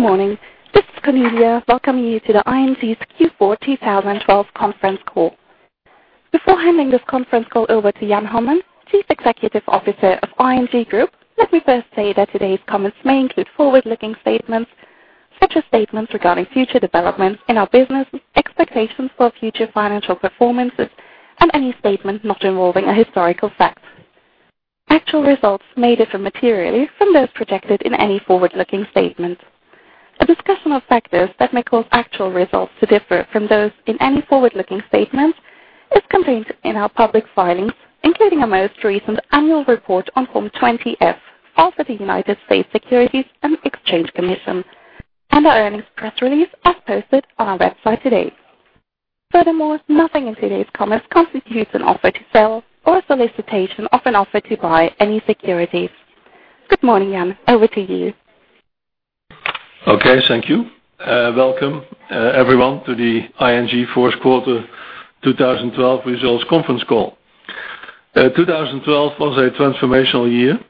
Good morning. This is Cornelia welcoming you to ING's Q4 2012 conference call. Before handing this conference call over to Jan Hommen, Chief Executive Officer of ING Group, let me first say that today's comments may include forward-looking statements, such as statements regarding future developments in our business, expectations for future financial performances, and any statement not involving a historical fact. Actual results may differ materially from those projected in any forward-looking statement. A discussion of factors that may cause actual results to differ from those in any forward-looking statement is contained in our public filings, including our most recent annual report on Form 20-F filed with the United States Securities and Exchange Commission and our earnings press release, as posted on our website today. Nothing in today's comments constitutes an offer to sell or a solicitation of an offer to buy any securities. Good morning, Jan, over to you. Okay. Thank you. Welcome everyone to ING fourth quarter 2012 results conference call. 2012 was a transformational year.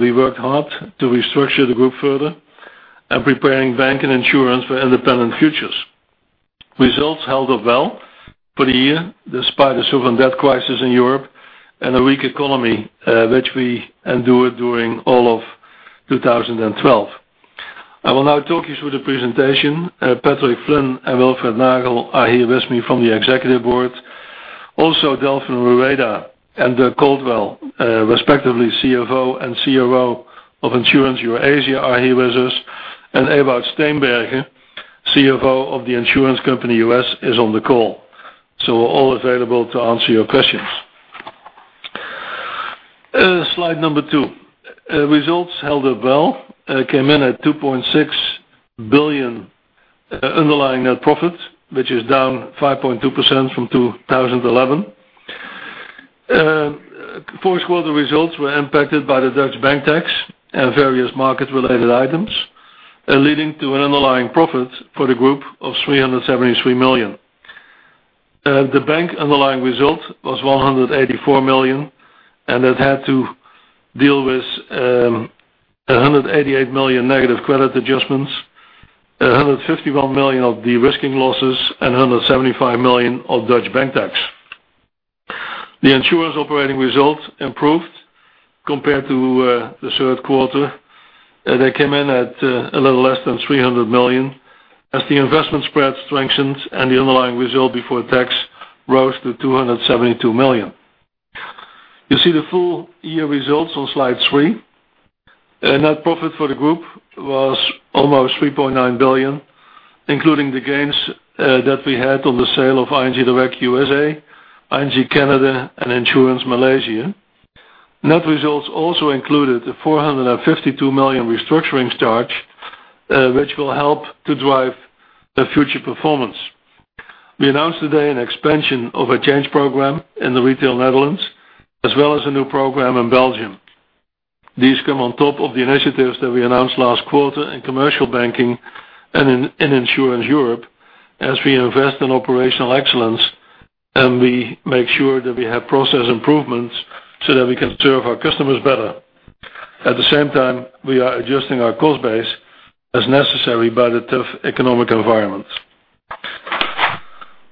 We worked hard to restructure the group further and preparing bank and insurance for independent futures. Results held up well for the year, despite the sovereign debt crisis in Europe and a weak economy, which we endured during all of 2012. I will now talk you through the presentation. Patrick Flynn and Wilfred Nagel are here with me from the Executive Board. Also, Delphine Roveda and Doug Caldwell, respectively CFO and CRO of Insurance Europe Asia are here with us, and Ewout Steenbergen, CFO of the Insurance Company U.S., is on the call. We're all available to answer your questions. Slide number two. Results held up well, came in at 2.6 billion underlying net profit, which is down 5.2% from 2011. Fourth quarter results were impacted by the Dutch bank tax and various market-related items, leading to an underlying profit for the group of 373 million. The bank underlying result was 184 million. It had to deal with 188 million negative credit adjustments, 151 million of de-risking losses, and 175 million of Dutch bank tax. The insurance operating result improved compared to the third quarter. They came in at a little less than 300 million, as the investment spread strengthened and the underlying result before tax rose to 272 million. You see the full year results on slide three. Net profit for the group was almost 3.9 billion, including the gains that we had on the sale of ING Direct USA, ING Canada, and Insurance Malaysia. Net results also included a 452 million restructuring charge, which will help to drive future performance. We announced today an expansion of a change program in the Retail Netherlands, as well as a new program in Belgium. These come on top of the initiatives that we announced last quarter in Commercial Banking and in Insurance Europe, as we invest in operational excellence and we make sure that we have process improvements so that we can serve our customers better. At the same time, we are adjusting our cost base as necessary by the tough economic environment.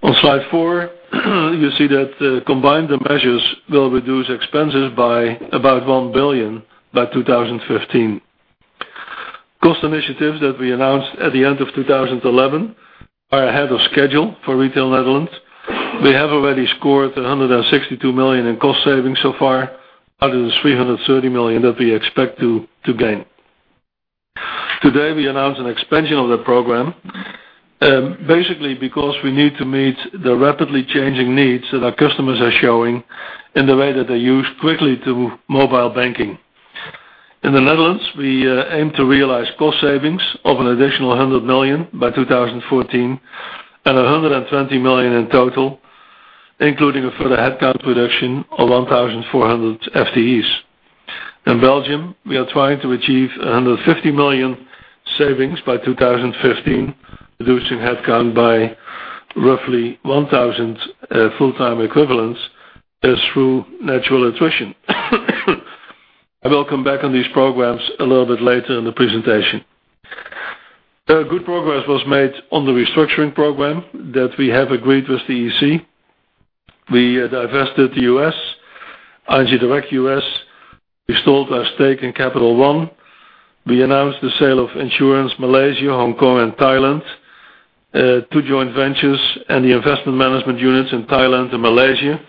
On slide four, you see that combined measures will reduce expenses by about 1 billion by 2015. Cost initiatives that we announced at the end of 2011 are ahead of schedule for Retail Netherlands. We have already scored 162 million in cost savings so far, out of the 330 million that we expect to gain. Today, we announced an expansion of that program, basically because we need to meet the rapidly changing needs that our customers are showing in the way that they use quickly to mobile banking. In the Netherlands, we aim to realize cost savings of an additional 100 million by 2014 and 120 million in total, including a further headcount reduction of 1,400 FTEs. In Belgium, we are trying to achieve 150 million savings by 2015, reducing headcount by roughly 1,000 full-time equivalents through natural attrition. I will come back on these programs a little bit later in the presentation. Good progress was made on the restructuring program that we have agreed with the EC. We divested the U.S., ING Direct USA. We sold our stake in Capital One. We announced the sale of Insurance Malaysia, Hong Kong, and Thailand, two joint ventures and the investment management units in Thailand and Malaysia.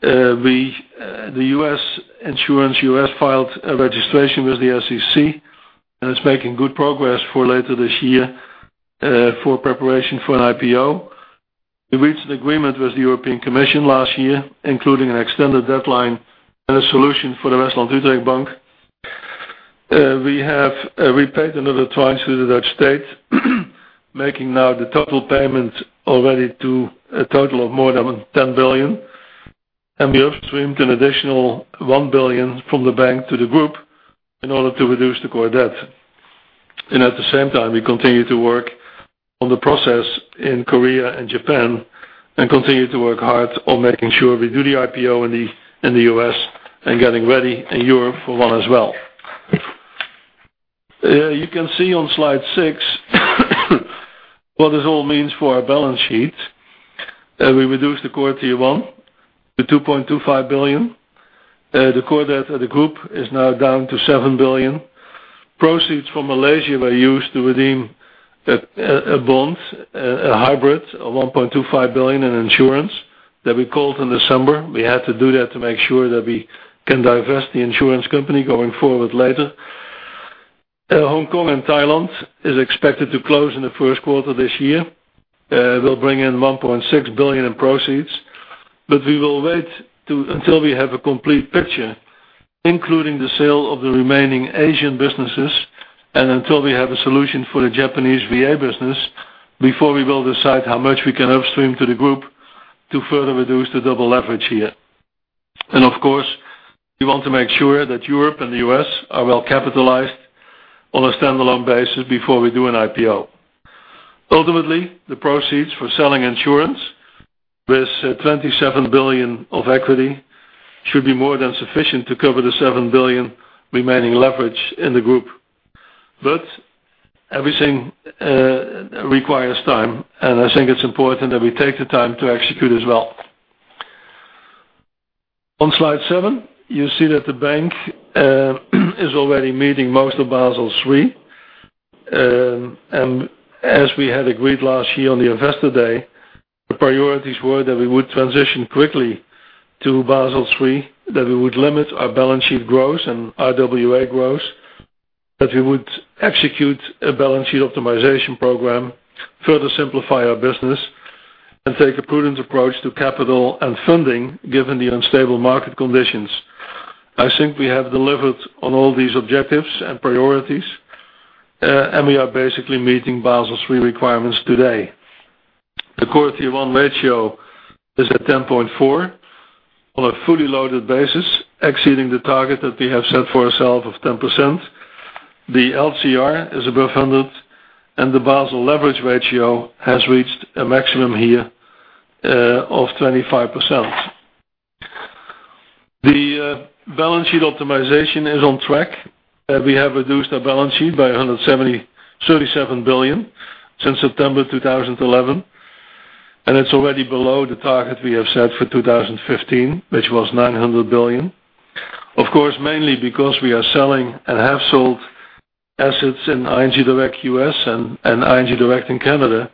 The U.S. Insurance U.S. filed a registration with the SEC, and it's making good progress for later this year, for preparation for an IPO. We reached an agreement with the European Commission last year, including an extended deadline and a solution for the WestlandUtrecht Bank. We paid another tranche to the Dutch state, making now the total payment already to a total of more than 10 billion. We upstreamed an additional 1 billion from the bank to the group in order to reduce the core debt. At the same time, we continue to work on the process in Korea and Japan and continue to work hard on making sure we do the IPO in the U.S. and getting ready in Europe for one as well. You can see on slide six what this all means for our balance sheet. We reduced the Core Tier 1 to 2.25 billion. The core debt of the group is now down to 7 billion. Proceeds from Malaysia were used to redeem a bond, a hybrid, a 1.25 billion in insurance that we called in December. We had to do that to make sure that we can divest the insurance company going forward later. Hong Kong and Thailand is expected to close in the first quarter of this year. They'll bring in 1.6 billion in proceeds. We will wait until we have a complete picture, including the sale of the remaining Asian businesses, and until we have a solution for the Japanese VA business, before we will decide how much we can upstream to the group to further reduce the double leverage here. Of course, we want to make sure that Europe and the U.S. are well capitalized on a standalone basis before we do an IPO. Ultimately, the proceeds for selling insurance with 27 billion of equity should be more than sufficient to cover the 7 billion remaining leverage in the group. Everything requires time, and I think it's important that we take the time to execute as well. On slide seven, you see that the bank is already meeting most of Basel III. As we had agreed last year on the investor day, the priorities were that we would transition quickly to Basel III, that we would limit our balance sheet growth and RWA growth, that we would execute a balance sheet optimization program, further simplify our business, and take a prudent approach to capital and funding, given the unstable market conditions. I think we have delivered on all these objectives and priorities, and we are basically meeting Basel III requirements today. The Core Tier 1 ratio is at 10.4% on a fully loaded basis, exceeding the target that we have set for ourselves of 10%. The LCR is above 100%, and the Basel leverage ratio has reached a maximum here of 25%. The balance sheet optimization is on track. We have reduced our balance sheet by 137 billion since September 2011, and it's already below the target we have set for 2015, which was 900 billion. Of course, mainly because we are selling and have sold assets in ING Direct USA and ING Direct Canada,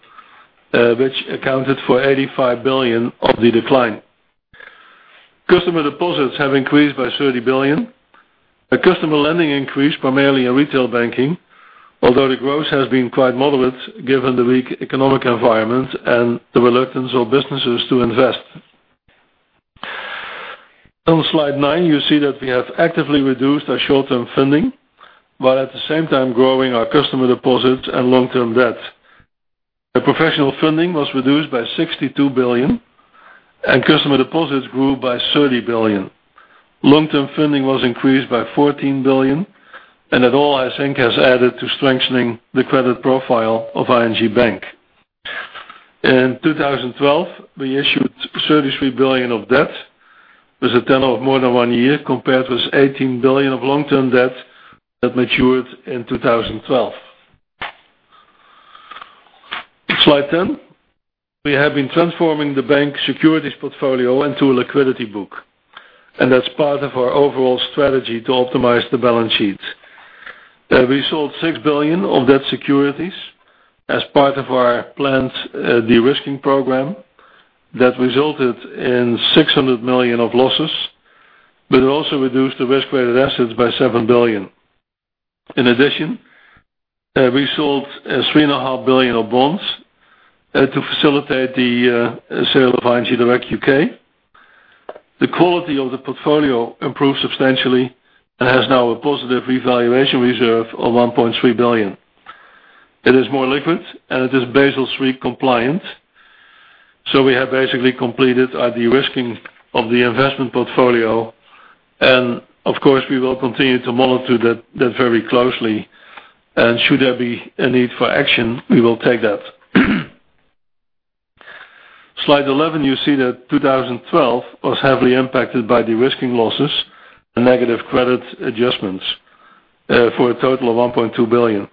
which accounted for 85 billion of the decline. Customer deposits have increased by 30 billion. Customer lending increased primarily in retail banking, although the growth has been quite moderate given the weak economic environment and the reluctance of businesses to invest. On slide nine, you see that we have actively reduced our short-term funding, while at the same time growing our customer deposits and long-term debt. Professional funding was reduced by 62 billion, and customer deposits grew by 30 billion. Long-term funding was increased by 14 billion, and that all, I think, has added to strengthening the credit profile of ING Bank. In 2012, we issued 33 billion of debt with a tenor of more than one year, compared with 18 billion of long-term debt that matured in 2012. Slide 10. We have been transforming the bank securities portfolio into a liquidity book, and that's part of our overall strategy to optimize the balance sheet. We sold 6 billion of debt securities as part of our planned de-risking program. That resulted in 600 million of losses, but it also reduced the risk-rated assets by 7 billion. In addition, we sold 3.5 billion of bonds to facilitate the sale of ING Direct UK. The quality of the portfolio improved substantially and has now a positive revaluation reserve of 1.3 billion. It is more liquid, and it is Basel III compliant. We have basically completed our de-risking of the investment portfolio, and of course, we will continue to monitor that very closely. Should there be a need for action, we will take that. Slide 11, you see that 2012 was heavily impacted by de-risking losses and negative credit adjustments for a total of 1.2 billion.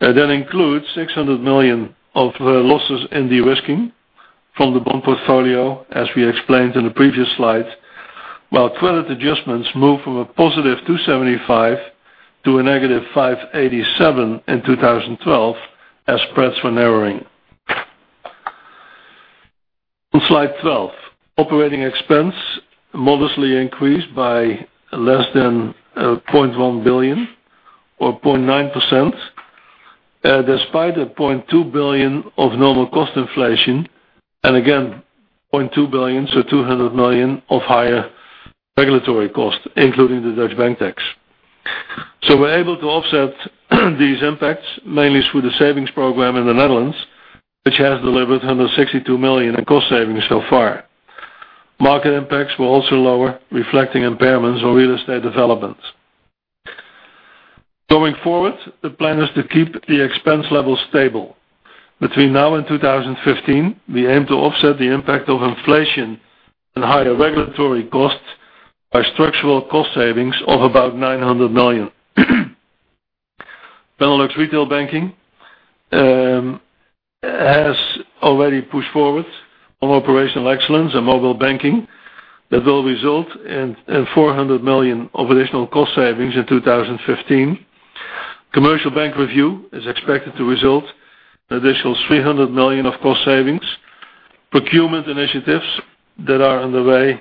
That includes 600 million of losses in de-risking from the bond portfolio, as we explained in the previous slide. While credit adjustments moved from a positive 275 to a negative 587 in 2012, as spreads were narrowing. On slide 12. Operating expense modestly increased by less than 0.1 billion or 0.9%, despite 0.2 billion of normal cost inflation and again, 0.2 billion, so 200 million, of higher regulatory cost, including the Dutch bank tax. We're able to offset these impacts mainly through the savings program in the Netherlands, which has delivered 162 million in cost savings so far. Market impacts were also lower, reflecting impairments on real estate developments. Going forward, the plan is to keep the expense level stable. Between now and 2015, we aim to offset the impact of inflation and higher regulatory costs by structural cost savings of about 900 million. Benelux Retail Banking has already pushed forward on operational excellence and mobile banking that will result in 400 million of additional cost savings in 2015. Commercial Bank review is expected to result in additional 300 million of cost savings. Procurement initiatives that are underway,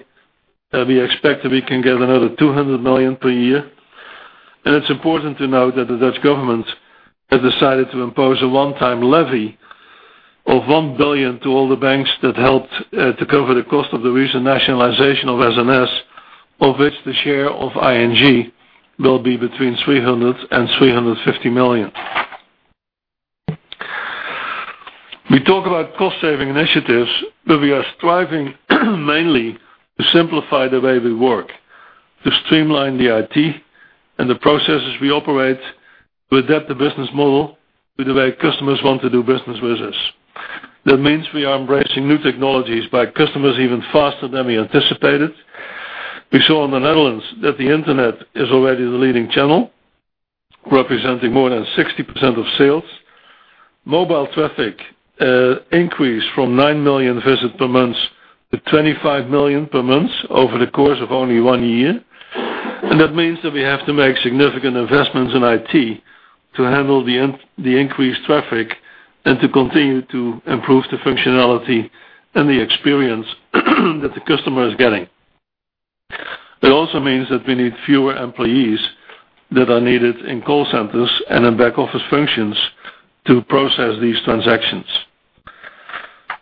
we expect that we can get another 200 million per year. It's important to note that the Dutch government has decided to impose a one-time levy of 1 billion to all the banks that helped to cover the cost of the recent nationalization of SNS, of which the share of ING will be between 300 million and 350 million. We talk about cost-saving initiatives, but we are striving mainly to simplify the way we work, to streamline the IT and the processes we operate to adapt the business model to the way customers want to do business with us. That means we are embracing new technologies by customers even faster than we anticipated. We saw in the Netherlands that the internet is already the leading channel, representing more than 60% of sales. Mobile traffic increased from 9 million visit per month to 25 million per month over the course of only one year. That means that we have to make significant investments in IT to handle the increased traffic and to continue to improve the functionality and the experience that the customer is getting. It also means that we need fewer employees that are needed in call centers and in back-office functions to process these transactions.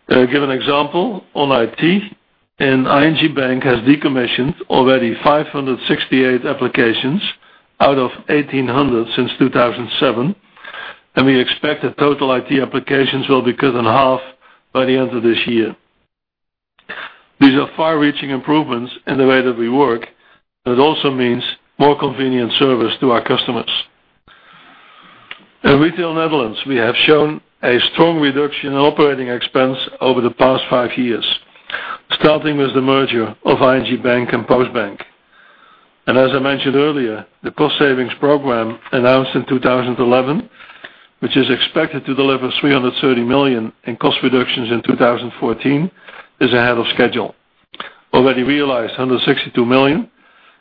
To give an example on IT, an ING Bank has decommissioned already 568 applications out of 1,800 since 2007, and we expect that total IT applications will be cut in half by the end of this year. These are far-reaching improvements in the way that we work, it also means more convenient service to our customers. In Retail Netherlands, we have shown a strong reduction in operating expense over the past five years, starting with the merger of ING Bank and Postbank. As I mentioned earlier, the cost savings program announced in 2011, which is expected to deliver 330 million in cost reductions in 2014, is ahead of schedule. Already realized 162 million,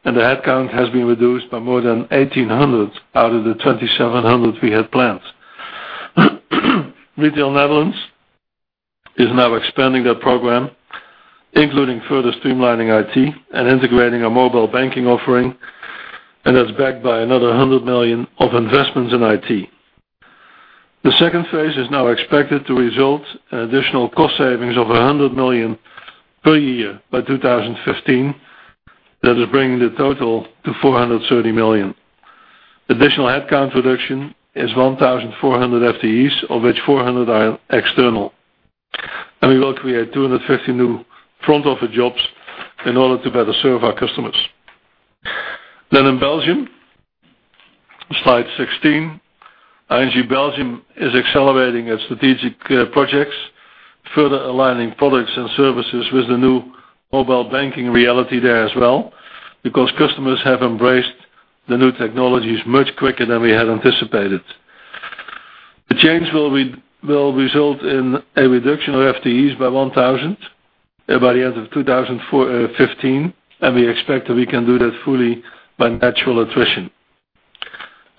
the headcount has been reduced by more than 1,800 out of the 2,700 we had planned. Retail Netherlands is now expanding that program, including further streamlining IT and integrating a mobile banking offering, that's backed by another 100 million of investments in IT. The second phase is now expected to result in additional cost savings of 100 million per year by 2015. That is bringing the total to 430 million. Additional headcount reduction is 1,400 FTEs, of which 400 are external. We will create 250 new front-office jobs in order to better serve our customers. In Belgium, slide 16, ING Belgium is accelerating its strategic projects, further aligning products and services with the new mobile banking reality there as well, because customers have embraced the new technologies much quicker than we had anticipated. The change will result in a reduction of FTEs by 1,000 by the end of 2015. We expect that we can do that fully by natural attrition.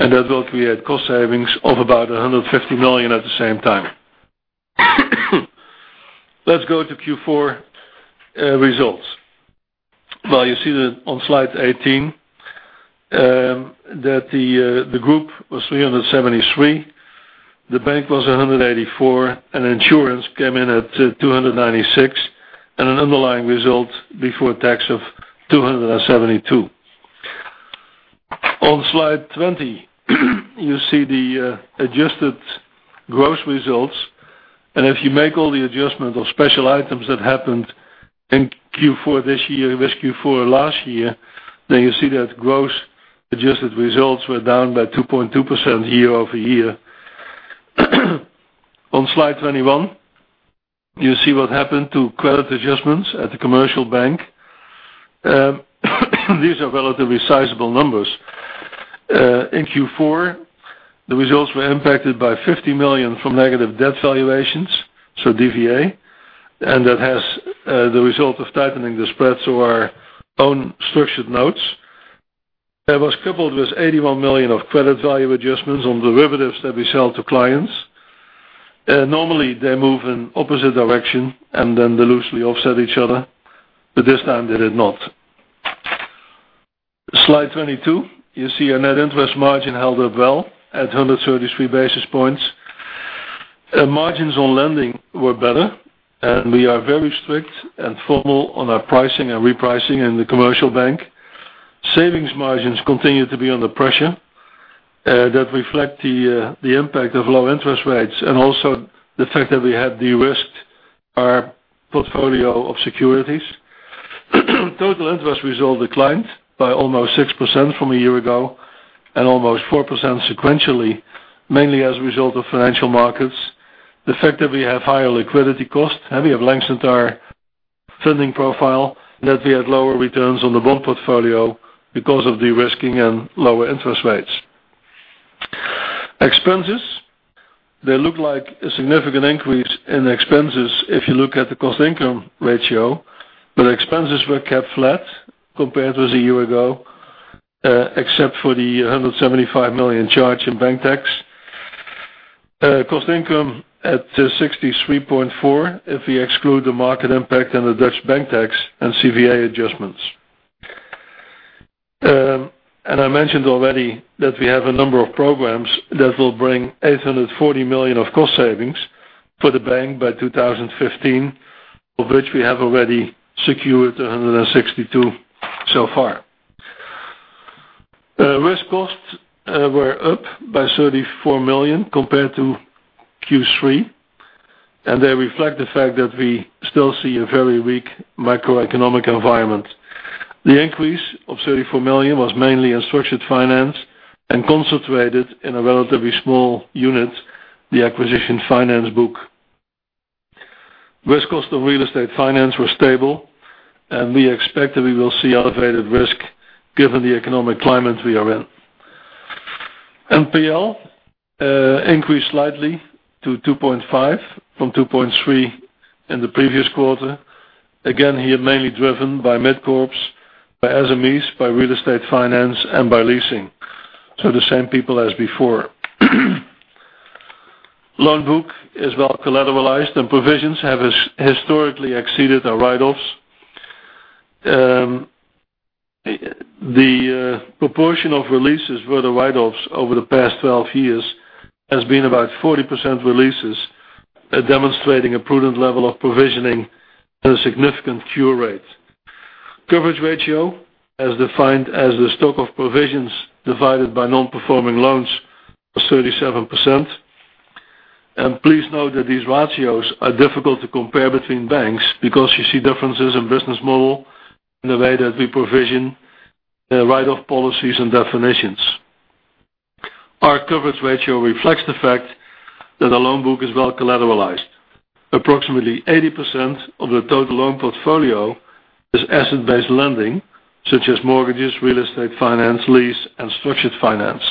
That will create cost savings of about 150 million at the same time. Let's go to Q4 results. Well, you see that on slide 18, that the group was 373, the bank was 184, and insurance came in at 296, and an underlying result before tax of 272. On slide 20 you see the adjusted gross results. If you make all the adjustments of special items that happened in Q4 this year with Q4 last year, then you see that gross adjusted results were down by 2.2% year-over-year. On slide 21, you see what happened to credit adjustments at the commercial bank. These are relatively sizable numbers. In Q4, the results were impacted by 50 million from negative debt valuations, so DVA. That has the result of tightening the spreads of our own structured notes. That was coupled with 81 million of credit value adjustments on derivatives that we sell to clients. Normally they move in opposite direction. They loosely offset each other, but this time they did not. Slide 22, you see our net interest margin held up well at 133 basis points. Margins on lending were better. We are very strict and formal on our pricing and repricing in the commercial bank. Savings margins continue to be under pressure. That reflect the impact of low interest rates, and also the fact that we have de-risked our portfolio of securities. Total interest result declined by almost 6% from a year ago and almost 4% sequentially, mainly as a result of financial markets. The fact that we have higher liquidity costs. We have lengthened our funding profile. That we had lower returns on the bond portfolio because of de-risking and lower interest rates. Expenses. They look like a significant increase in expenses if you look at the cost income ratio, but expenses were kept flat compared with a year ago, except for the 175 million charge in Dutch bank tax. Cost income at 63.4%, if we exclude the market impact and the Dutch bank tax and CVA adjustments. I mentioned already that we have a number of programs that will bring 840 million of cost savings for the bank by 2015, of which we have already secured 162 so far. Risk costs were up by 34 million compared to Q3. They reflect the fact that we still see a very weak macroeconomic environment. The increase of 34 million was mainly in structured finance. Concentrated in a relatively small unit, the acquisition finance book. Risk cost of real estate finance was stable. We expect that we will see elevated risk given the economic climate we are in. NPL increased slightly to 2.5% from 2.3% in the previous quarter. Again, here, mainly driven by Midcorps, by SMEs, by real estate finance, and by leasing. The same people as before. Loan book is well collateralized, and provisions have historically exceeded our write-offs. The proportion of releases to the write-offs over the past 12 years has been about 40% releases, demonstrating a prudent level of provisioning and a significant cure rate. Coverage ratio, as defined as the stock of provisions divided by non-performing loans, was 37%. Please note that these ratios are difficult to compare between banks because you see differences in business model in the way that we provision write-off policies and definitions. Our coverage ratio reflects the fact that the loan book is well collateralized. Approximately 80% of the total loan portfolio is asset-based lending, such as mortgages, real estate finance, lease, and structured finance.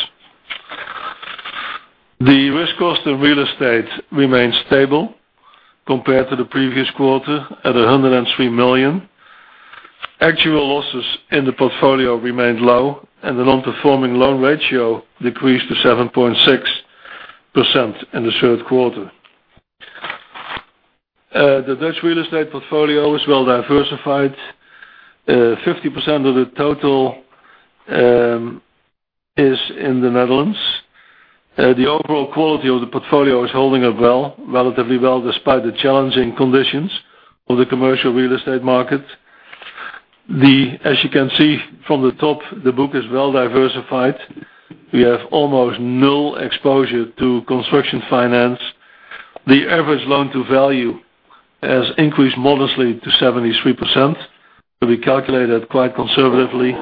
The risk cost of real estate remained stable compared to the previous quarter at 103 million. Actual losses in the portfolio remained low and the non-performing loan ratio decreased to 7.6% in the third quarter. The Dutch real estate portfolio is well diversified. 50% of the total is in the Netherlands. The overall quality of the portfolio is holding up relatively well, despite the challenging conditions of the commercial real estate market. You can see from the top, the book is well diversified. We have almost no exposure to construction finance. The average loan-to-value has increased modestly to 73%, to be calculated quite conservatively.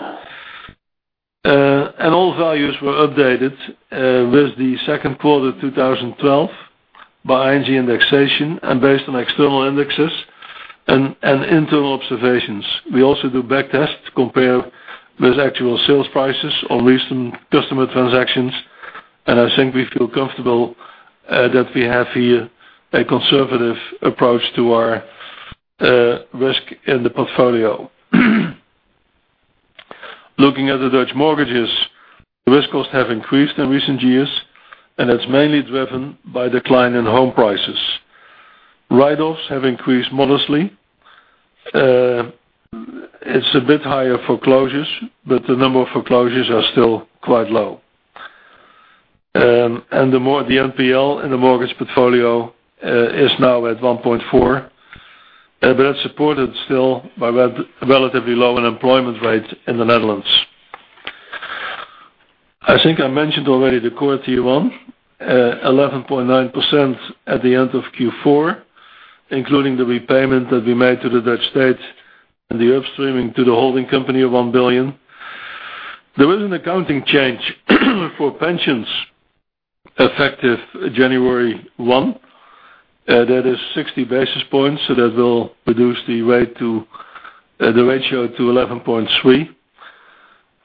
All values were updated with the second quarter 2012 by ING indexation and based on external indexes and internal observations. We also do back tests to compare with actual sales prices on recent customer transactions. I think we feel comfortable that we have here a conservative approach to our risk in the portfolio. Looking at the Dutch mortgages, the risk costs have increased in recent years, and that's mainly driven by decline in home prices. Write-offs have increased modestly. It's a bit higher foreclosures. The number of foreclosures are still quite low. The NPL in the mortgage portfolio is now at 1.4, but that's supported still by relatively low unemployment rates in the Netherlands. I think I mentioned already the Core Tier 1, 11.9% at the end of Q4, including the repayment that we made to the Dutch state and the upstreaming to the holding company of 1 billion. There was an accounting change for pensions effective January 1. That is 60 basis points. That will reduce the ratio to 11.3.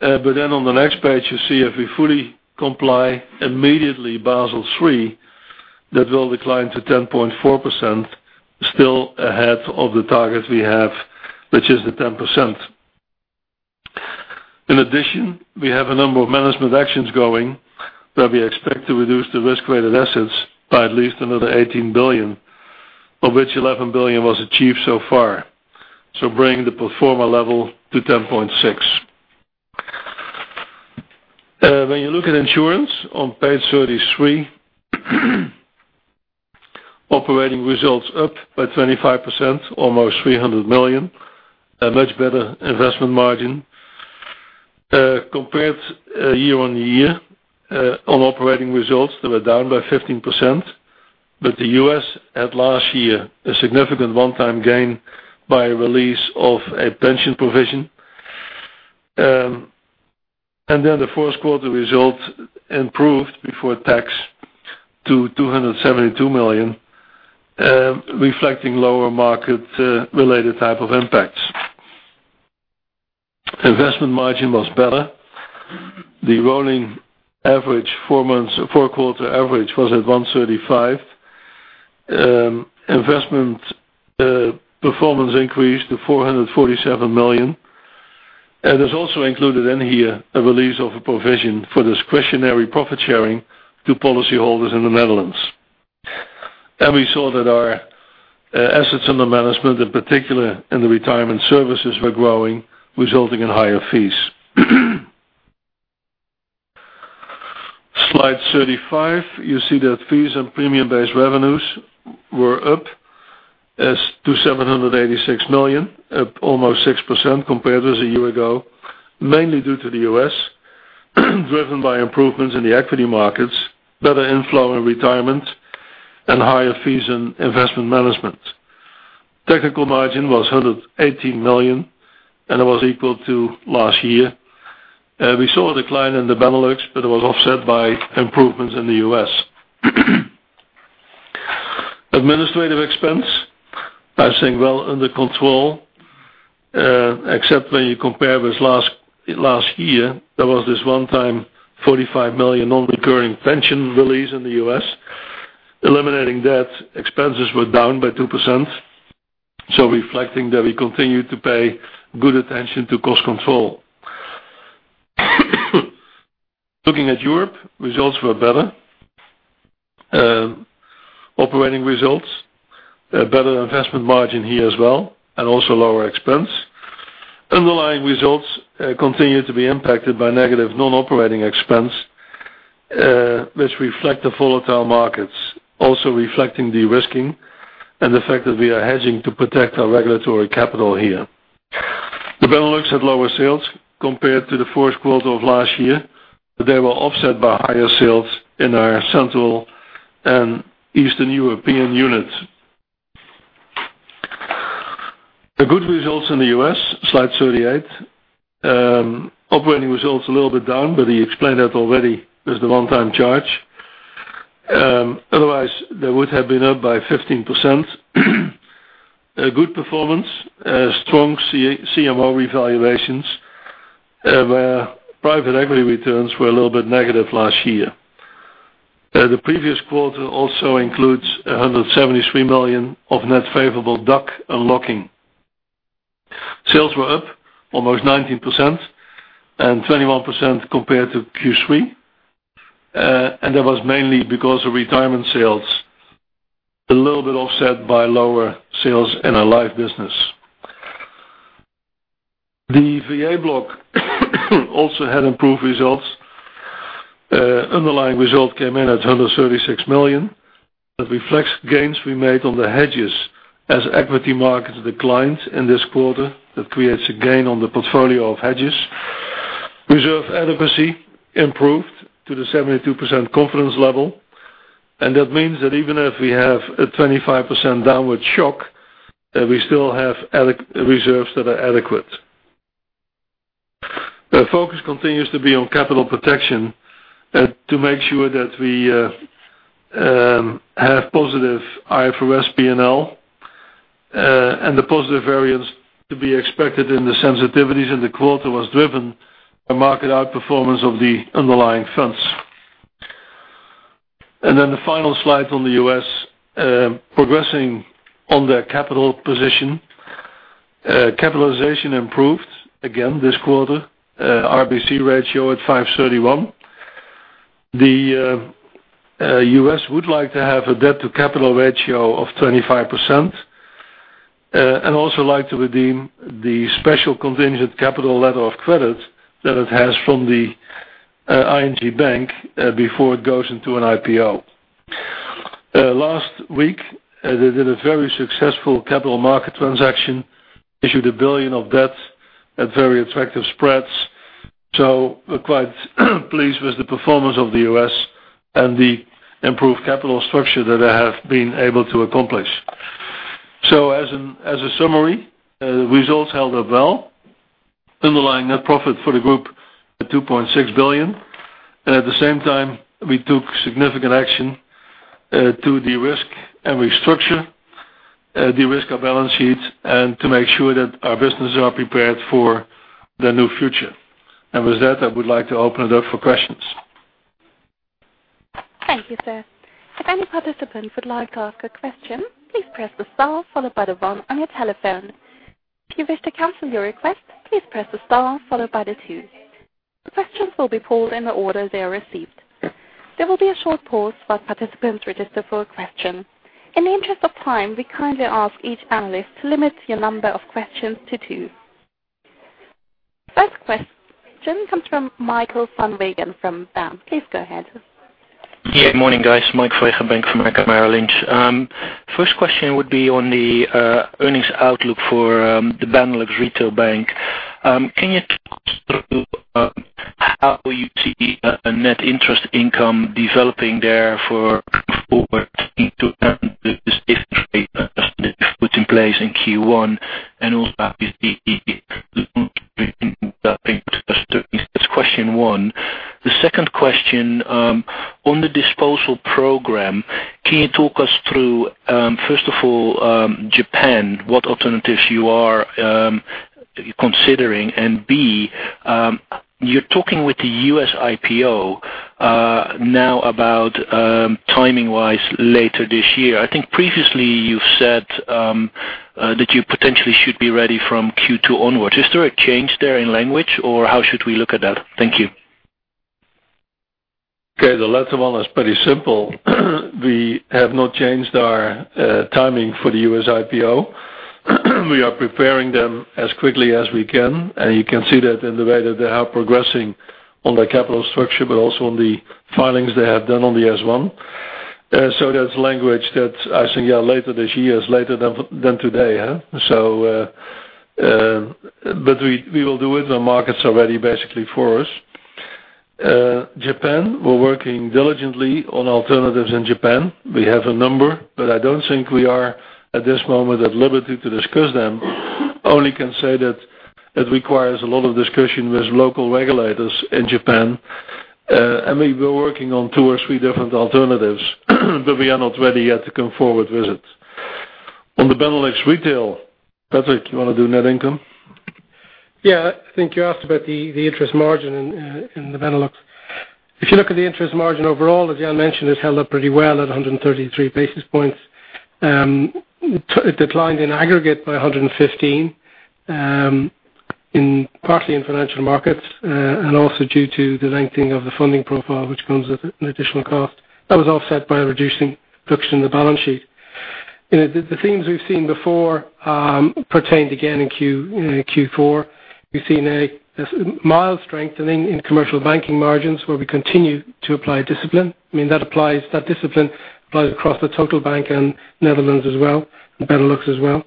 On the next page, you see if we fully comply immediately Basel III, that will decline to 10.4%, still ahead of the target we have, which is the 10%. In addition, we have a number of management actions going that we expect to reduce the risk-weighted assets by at least another 18 billion, of which 11 billion was achieved so far. Bringing the pro forma level to 10.6. You look at insurance on page 33. Operating results up by 25%, almost 300 million. A much better investment margin. Compared year-over-year on operating results, they were down by 15%, but the U.S. had last year a significant one-time gain by release of a pension provision. The first quarter results improved before tax to 272 million, reflecting lower market-related type of impacts. Investment margin was better. The rolling four-quarter average was at 135. Investment performance increased to 447 million. There's also included in here a release of a provision for discretionary profit sharing to policyholders in the Netherlands. We saw that our assets under management, in particular in the retirement services, were growing, resulting in higher fees. Slide 35, you see that fees and premium-based revenues were up as to 786 million, up almost 6% compared with a year ago, mainly due to the U.S., driven by improvements in the equity markets, better inflow in retirement, and higher fees in investment management. Technical margin was 118 million, and it was equal to last year. We saw a decline in the Benelux, but it was offset by improvements in the U.S. Administrative expense, I think well under control, except when you compare with last year, there was this one-time 45 million non-recurring pension release in the U.S. Eliminating that, expenses were down by 2%, reflecting that we continued to pay good attention to cost control. Looking at Europe, results were better. Operating results, better investment margin here as well, and also lower expense. Underlying results continued to be impacted by negative non-operating expense, which reflect the volatile markets, also reflecting de-risking and the fact that we are hedging to protect our regulatory capital here. The Benelux had lower sales compared to the fourth quarter of last year, but they were offset by higher sales in our Central and Eastern European units. The good results in the U.S., Slide 38. Operating results a little bit down, but he explained that already. There's the one-time charge. Otherwise, they would have been up by 15%. A good performance, strong CMO revaluations, where private equity returns were a little bit negative last year. The previous quarter also includes 173 million of net favorable DAC unlocking. Sales were up almost 19% and 21% compared to Q3. That was mainly because of retirement sales, a little bit offset by lower sales in our life business. The VA block also had improved results. Underlying result came in at 236 million. That reflects gains we made on the hedges as equity markets declined in this quarter. That creates a gain on the portfolio of hedges. Reserve adequacy improved to the 72% confidence level, and that means that even if we have a 25% downward shock, we still have reserves that are adequate. The focus continues to be on capital protection to make sure that we have positive IFRS P&L, and the positive variance to be expected in the sensitivities in the quarter was driven by market outperformance of the underlying funds. The final slide on the U.S., progressing on their capital position. Capitalization improved again this quarter. RBC ratio at 531. The U.S. would like to have a debt to capital ratio of 25%, and also like to redeem the special contingent capital letter of credit that it has from the ING Bank before it goes into an IPO. Last week, they did a very successful capital market transaction, issued 1 billion of debt at very attractive spreads. We're quite pleased with the performance of the U.S. and the improved capital structure that they have been able to accomplish. As a summary, results held up well. Underlying net profit for the group at 2.6 billion. At the same time, we took significant action to de-risk and restructure, de-risk our balance sheets, and to make sure that our businesses are prepared for the new future. With that, I would like to open it up for questions. Thank you, sir. If any participants would like to ask a question, please press the star followed by the one on your telephone. If you wish to cancel your request, please press the star followed by the two. Questions will be pulled in the order they are received. There will be a short pause while participants register for a question. In the interest of time, we kindly ask each analyst to limit your number of questions to two. First question comes from Michael van Wegen from BAM. Please go ahead. Morning, guys. Mike van Wegen from Bank of America Merrill Lynch. First question would be on the earnings outlook for the Benelux Retail Bank. Can you talk us through how you see a net interest income developing there for forward into put in place in Q1? That's question one. The second question, on the disposal program, can you talk us through, first of all, Japan, what alternatives you are considering? B, you're talking with the U.S. IPO now about timing-wise later this year. I think previously you've said that you potentially should be ready from Q2 onwards. Is there a change there in language, or how should we look at that? Thank you. The latter one is pretty simple. We have not changed our timing for the U.S. IPO. We are preparing them as quickly as we can, and you can see that in the way that they are progressing on their capital structure, but also on the filings they have done on the S-1. That's language that I say, later this year is later than today. We will do it when markets are ready, basically, for us. Japan, we're working diligently on alternatives in Japan. We have a number, but I don't think we are at this moment at liberty to discuss them. Only can say that it requires a lot of discussion with local regulators in Japan. We've been working on two or three different alternatives, but we are not ready yet to come forward with it. On the Benelux Retail, Patrick, you want to do net income? Yeah. I think you asked about the interest margin in the Benelux. If you look at the interest margin overall, as Jan mentioned, it held up pretty well at 133 basis points. It declined in aggregate by 115 basis points, partly in financial markets, and also due to the lengthening of the funding profile, which comes with an additional cost that was offset by a reduction in the balance sheet. The themes we've seen before pertained again in Q4. We've seen a mild strengthening in commercial banking margins, where we continue to apply discipline. That discipline applies across the total bank and Netherlands as well, and Benelux as well.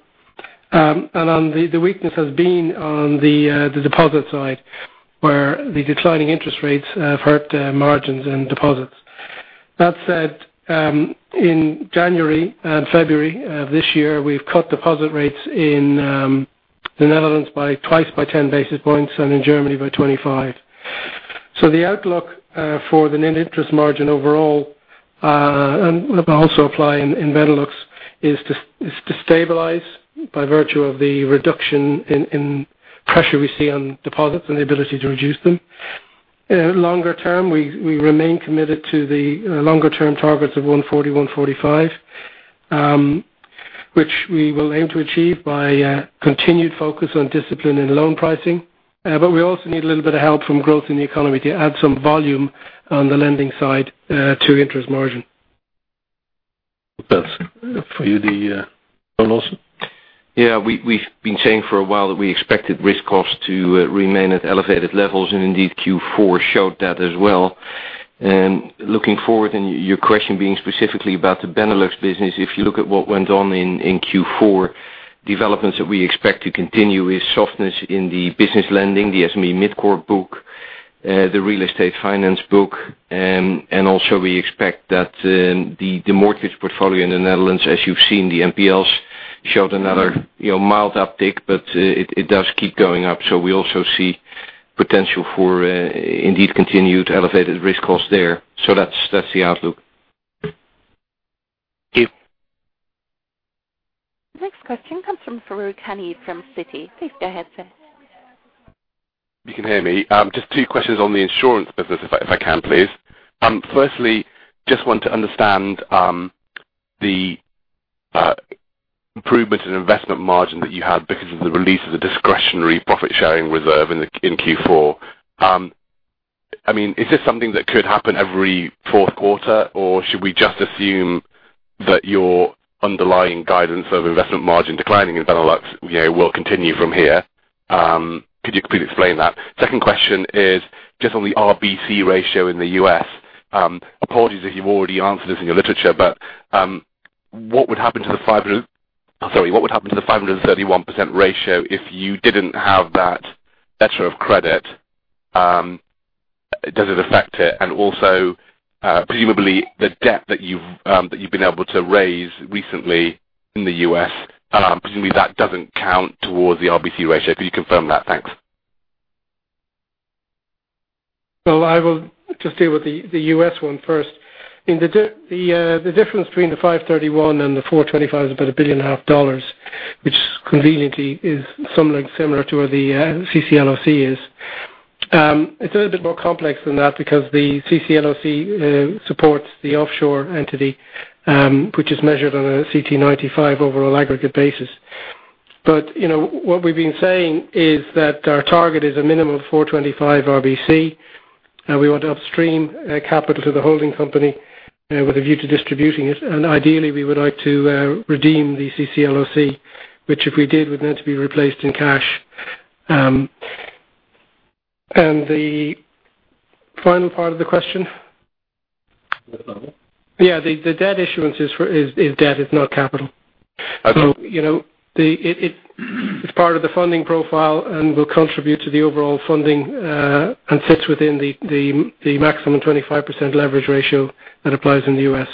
The weakness has been on the deposit side, where the declining interest rates have hurt margins and deposits. That said, in January and February of this year, we've cut deposit rates in the Netherlands by twice by 10 basis points and in Germany by 25. The outlook for the net interest margin overall, and that will also apply in Benelux, is to stabilize by virtue of the reduction in pressure we see on deposits and the ability to reduce them. Longer term, we remain committed to the longer-term targets of 140, 145, which we will aim to achieve by continued focus on discipline and loan pricing. We also need a little bit of help from growth in the economy to add some volume on the lending side to interest margin. First, for you the loan loss. Yeah. We've been saying for a while that we expected risk cost to remain at elevated levels. Indeed, Q4 showed that as well. Your question being specifically about the Benelux business, if you look at what went on in Q4, developments that we expect to continue is softness in the business lending, the SME mid-corporate book, the real estate finance book. Also, we expect that the mortgage portfolio in the Netherlands, as you've seen, the NPLs showed another mild uptick, but it does keep going up. We also see potential for indeed continued elevated risk cost there. That's the outlook. Thank you. The next question comes from Farooq Hanif from Citi. Please go ahead, sir. You can hear me. Just 2 questions on the insurance business, if I can, please. Firstly, just want to understand the improvement in investment margin that you had because of the release of the discretionary profit-sharing reserve in Q4. Is this something that could happen every fourth quarter, or should we just assume that your underlying guidance over investment margin declining in Benelux will continue from here? Could you please explain that? Second question is just on the RBC ratio in the U.S. Apologies if you've already answered this in your literature, but what would happen to the 531% ratio if you didn't have that letter of credit? Does it affect it? Also, presumably, the debt that you've been able to raise recently in the U.S., presumably that doesn't count towards the RBC ratio. Could you confirm that? Thanks. I will just deal with the U.S. one first. The difference between the 531 and the 425 is about a billion and a half dollars, which conveniently is somewhat similar to where the CCLOC is. It's a little bit more complex than that because the CCLOC supports the offshore entity, which is measured on a CTE95 overall aggregate basis. What we've been saying is that our target is a minimum of 425 RBC. We want to upstream capital to the holding company with a view to distributing it. Ideally, we would like to redeem the CCLOC, which if we did, would need to be replaced in cash. The final part of the question? The other one. The debt issuance is debt, is not capital. Okay. It's part of the funding profile and will contribute to the overall funding, and sits within the maximum 25% leverage ratio that applies in the U.S.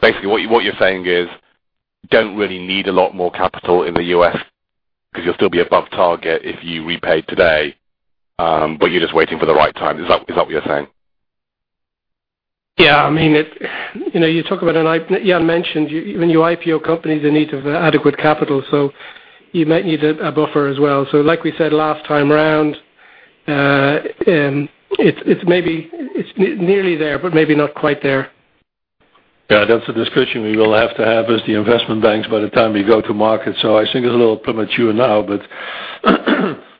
Basically, what you're saying is, don't really need a lot more capital in the U.S. because you'll still be above target if you repay today, but you're just waiting for the right time. Is that what you're saying? Yeah. Jan mentioned, when you IPO companies in need of adequate capital, you might need a buffer as well. Like we said last time around, it's nearly there, but maybe not quite there. Yeah. That's a discussion we will have to have with the investment banks by the time we go to market. I think it's a little premature now, but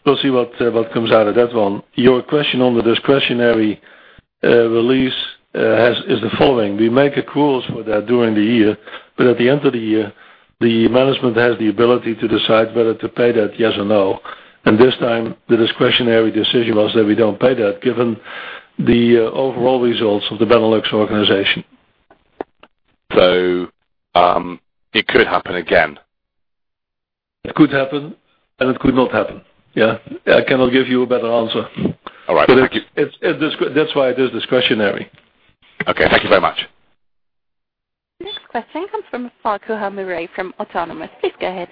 we'll see what comes out of that one. Your question on the discretionary release is the following. We make accruals for that during the year, but at the end of the year, the management has the ability to decide whether to pay that, yes or no. This time, the discretionary decision was that we don't pay that given the overall results of the Benelux organization. It could happen again. It could happen, and it could not happen. Yeah. I cannot give you a better answer. All right. Thank you. That's why it is discretionary. Okay. Thank you very much. Next question comes from Farquhar Murray from Autonomous. Please go ahead.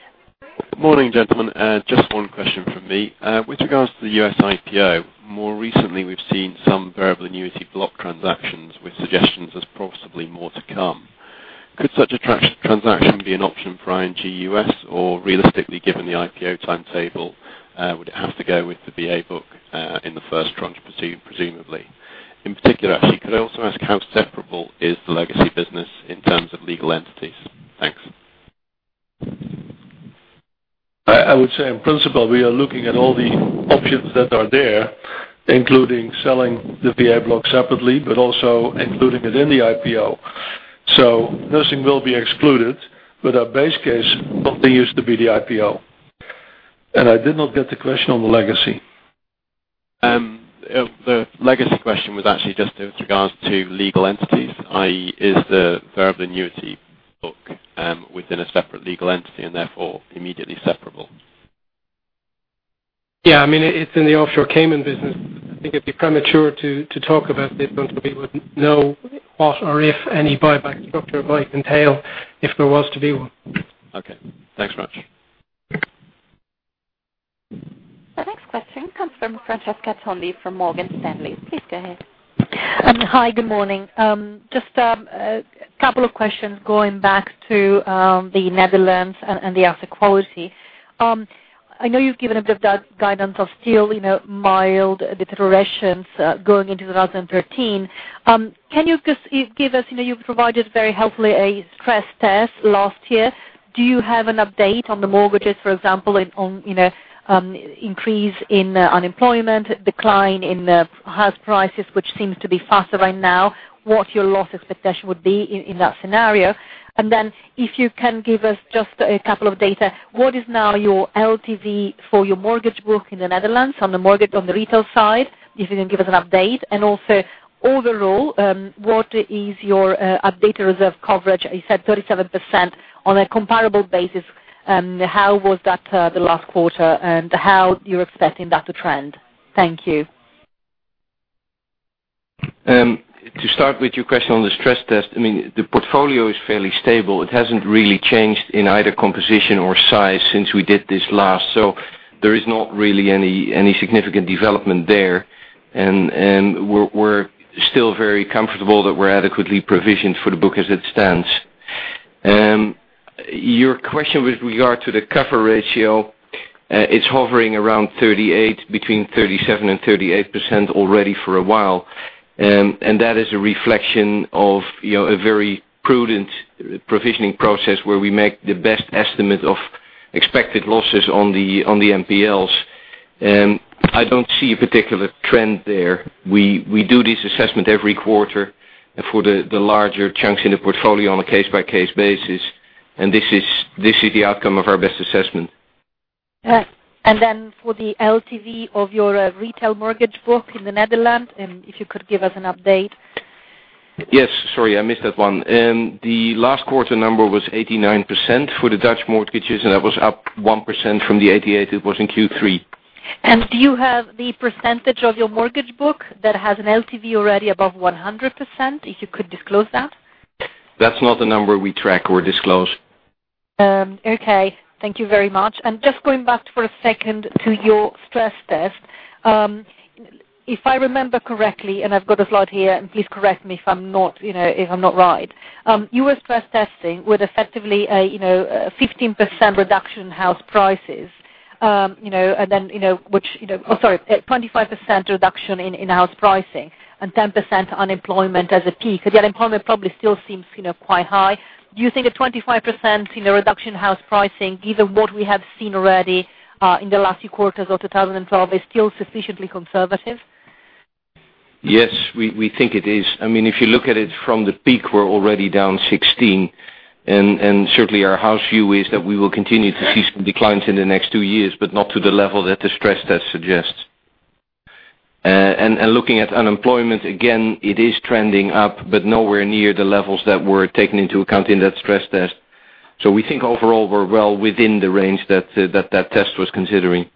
Good morning, gentlemen. Just one question from me. With regards to the U.S. IPO, more recently, we've seen some variable annuity block transactions with suggestions there's possibly more to come. Could such a transaction be an option for ING U.S., or realistically, given the IPO timetable, would it have to go with the VA book in the first tranche, presumably? In particular, actually, could I also ask how separable is the legacy business in terms of legal entities? Thanks. I would say in principle, we are looking at all the options that are there, including selling the VA book separately, but also including it in the IPO. Nothing will be excluded, but our base case continues to be the IPO. I did not get the question on the legacy. The legacy question was actually just in regards to legal entities, i.e., is the variable annuity book within a separate legal entity and therefore immediately separable? Yeah. It's in the offshore Cayman business. I think it'd be premature to talk about this until we would know what or if any buyback structure might entail, if there was to be one. Okay. Thanks much. The next question comes from Francesca Tondi from Morgan Stanley. Please go ahead. Hi. Good morning. Just a couple of questions going back to the Netherlands and the asset quality. I know you've given a bit of that guidance of still mild deteriorations going into 2013. You've provided very helpfully a stress test last year. Do you have an update on the mortgages, for example, on increase in unemployment, decline in house prices, which seems to be faster right now, what your loss expectation would be in that scenario? If you can give us just a couple of data, what is now your LTV for your mortgage book in the Netherlands on the mortgage on the retail side, if you can give us an update. Overall, what is your updated reserve coverage? You said 37%. On a comparable basis, how was that the last quarter, and how you're expecting that to trend. Thank you. To start with your question on the stress test. The portfolio is fairly stable. It hasn't really changed in either composition or size since we did this last. There is not really any significant development there. We're still very comfortable that we're adequately provisioned for the book as it stands. Your question with regard to the cover ratio, it's hovering around 38%, between 37% and 38% already for a while. That is a reflection of a very prudent provisioning process where we make the best estimate of expected losses on the NPLs. I don't see a particular trend there. We do this assessment every quarter for the larger chunks in the portfolio on a case-by-case basis. This is the outcome of our best assessment. For the LTV of your retail mortgage book in the Netherlands, if you could give us an update. Yes, sorry, I missed that one. The last quarter number was 89% for the Dutch mortgages, and that was up 1% from the 88% it was in Q3. Do you have the percentage of your mortgage book that has an LTV already above 100%? If you could disclose that. That's not a number we track or disclose. Okay. Thank you very much. Just going back for a second to your stress test. If I remember correctly, I've got a slide here, please correct me if I'm not right. You were stress testing with effectively a 15% reduction in house prices. Oh, sorry, 25% reduction in house pricing and 10% unemployment as a peak. The unemployment probably still seems quite high. Do you think a 25% reduction in house pricing, given what we have seen already in the last few quarters of 2012, is still sufficiently conservative? Yes, we think it is. If you look at it from the peak, we're already down 16, certainly our house view is that we will continue to see some declines in the next two years, but not to the level that the stress test suggests. Looking at unemployment, again, it is trending up, but nowhere near the levels that were taken into account in that stress test. We think overall we're well within the range that that test was considering.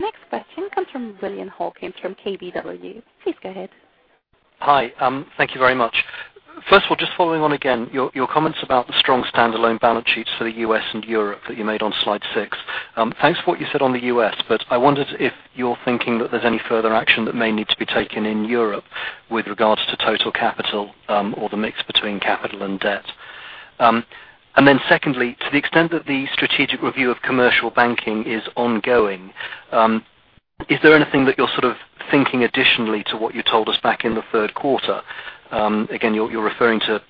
Next question comes from William Hawkins from KBW. Please go ahead. Hi. Thank you very much. First of all, just following on again, your comments about the strong standalone balance sheets for the U.S. and Europe that you made on slide six. I wondered if you're thinking that there's any further action that may need to be taken in Europe with regards to total capital, or the mix between capital and debt. Secondly, to the extent that the strategic review of commercial banking is ongoing, is there anything that you're sort of thinking additionally to what you told us back in the third quarter? Again, you're referring to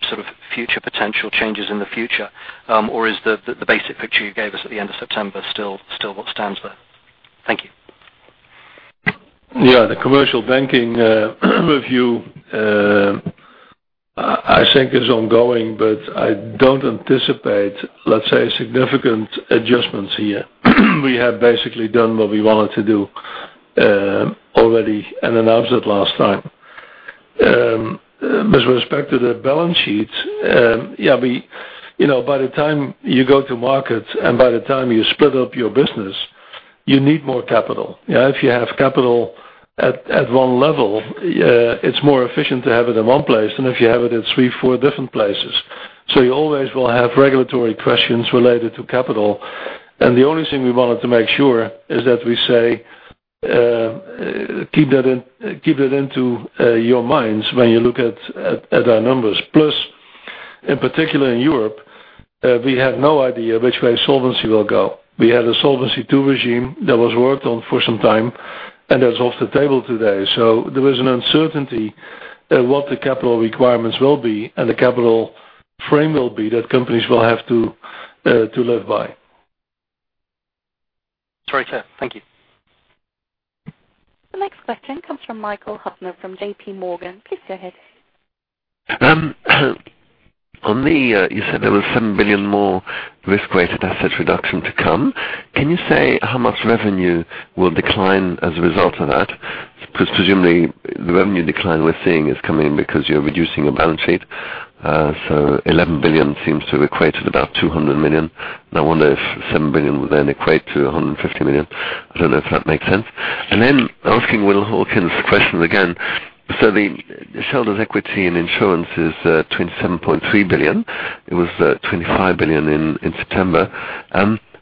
future potential changes in the future, or is the basic picture you gave us at the end of September still what stands there? Thank you. Yeah, the commercial banking review, I think is ongoing. I don't anticipate, let's say, significant adjustments here. We have basically done what we wanted to do already and announced it last time. With respect to the balance sheets, by the time you go to market and by the time you split up your business, you need more capital. If you have capital at one level, it's more efficient to have it in one place than if you have it at three, four different places. You always will have regulatory questions related to capital. The only thing we wanted to make sure is that we say, keep that into your minds when you look at our numbers. Plus, in particular in Europe, we have no idea which way Solvency will go. We had a Solvency II regime that was worked on for some time. That's off the table today. There is an uncertainty what the capital requirements will be and the capital frame will be that companies will have to live by. Very clear. Thank you. The next question comes from Michael Huttner from JPMorgan. Please go ahead. You said there was 7 billion more risk-weighted asset reduction to come. Can you say how much revenue will decline as a result of that? Presumably, the revenue decline we're seeing is coming because you're reducing your balance sheet. 11 billion seems to equate to about 200 million, and I wonder if 7 billion will then equate to 150 million. I don't know if that makes sense. Then asking William Hawkins' question again, the shareholders' equity in insurance is 27.3 billion. It was 25 billion in September.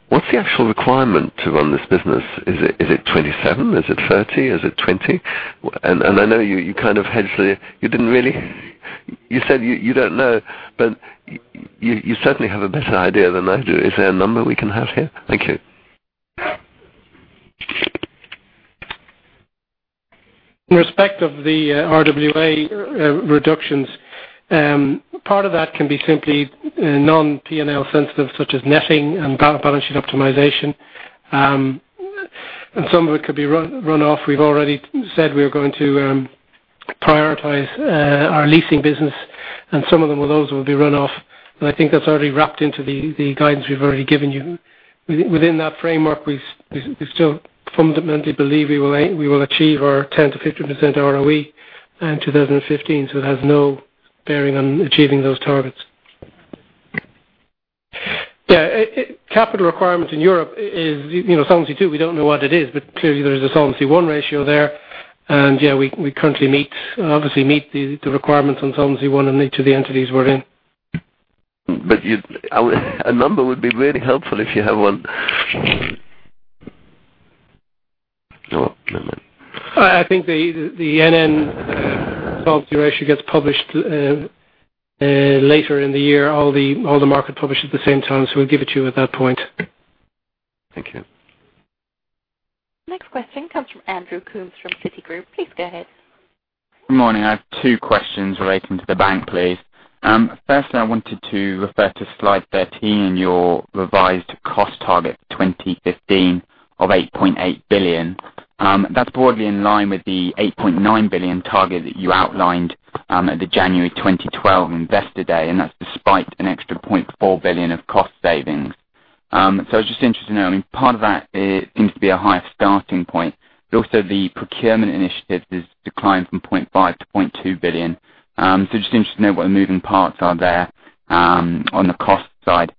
What's the actual requirement to run this business? Is it 27? Is it 30? Is it 20? I know you kind of hedged. You said you don't know, but you certainly have a better idea than I do. Is there a number we can have here? Thank you. In respect of the RWA reductions, part of that can be simply non-P&L sensitive, such as netting and balance sheet optimization. Some of it could be run off. We've already said we are going to prioritize our leasing business, and some of them will also be run off, and I think that's already wrapped into the guidance we've already given you. Within that framework, we still fundamentally believe we will achieve our 10%-15% ROE in 2015, so it has no bearing on achieving those targets. Yeah. Capital requirements in Europe is Solvency II. We don't know what it is, but clearly there is a Solvency I ratio there. Yeah, we currently obviously meet the requirements on Solvency I in each of the entities we're in. A number would be really helpful if you have one. Oh, never mind. I think the NN Solvency ratio gets published later in the year. All the market publish at the same time, we'll give it to you at that point. Thank you. Next question comes from Andrew Coombs from Citigroup. Please go ahead. Good morning. I have two questions relating to the bank, please. Firstly, I wanted to refer to slide 13, your revised cost target for 2015 of 8.8 billion. That's broadly in line with the 8.9 billion target that you outlined at the January 2012 Investor Day, and that's despite an extra 0.4 billion of cost savings. I was just interested to know, part of that seems to be a higher starting point, but also the procurement initiative has declined from 0.5 billion to 0.2 billion. Just interested to know what the moving parts are there on the cost side.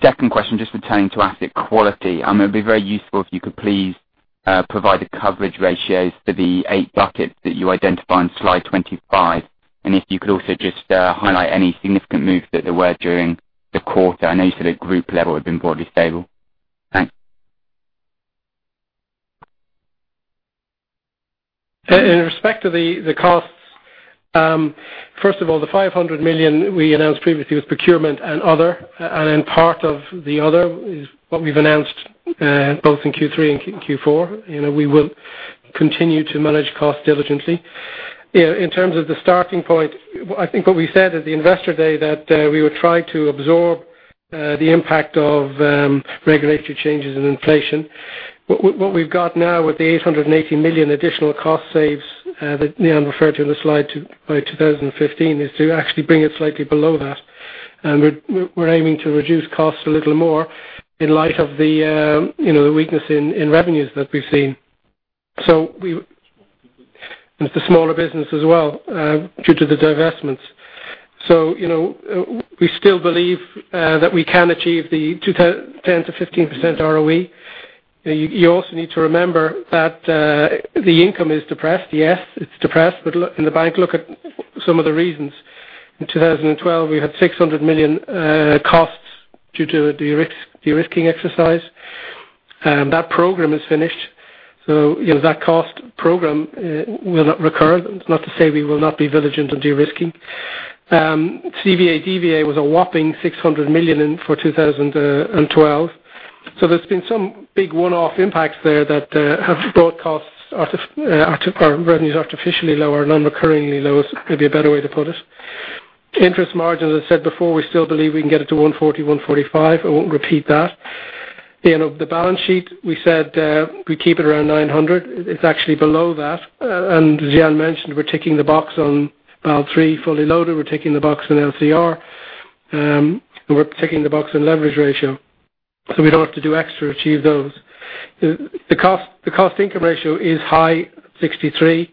Second question, just pertaining to asset quality. It'd be very useful if you could please provide the coverage ratios for the eight buckets that you identify on slide 25, and if you could also just highlight any significant moves that there were during the quarter. I know you said at group level it had been broadly stable. Thanks. In respect to the costs, first of all, the 500 million we announced previously was procurement and other. Part of the other is what we've announced both in Q3 and Q4. We will continue to manage costs diligently. In terms of the starting point, I think what we said at the investor day that we would try to absorb the impact of regulatory changes in inflation. What we've got now with the 880 million additional cost saves that Jan referred to in the slide by 2015 is to actually bring it slightly below that. We're aiming to reduce costs a little more in light of the weakness in revenues that we've seen. It's the smaller business as well, due to the divestments. We still believe that we can achieve the 10%-15% ROE. You also need to remember that the income is depressed. Yes, it's depressed, but look in the bank, look at some of the reasons. In 2012, we had 600 million costs due to a de-risking exercise. That program is finished, that cost program will not recur. Not to say we will not be vigilant on de-risking. CVA/DVA was a whopping 600 million in for 2012. There's been some big one-off impacts there that have brought revenues artificially lower, non-recurringly low, is maybe a better way to put it. Interest margin, as I said before, we still believe we can get it to 140, 145. I won't repeat that. The balance sheet, we said we'd keep it around 900. It's actually below that. As Jan mentioned, we're ticking the box on Basel III fully loaded. We're ticking the box on LCR. We're ticking the box on leverage ratio. We don't have to do extra to achieve those. The cost income ratio is high, 63%.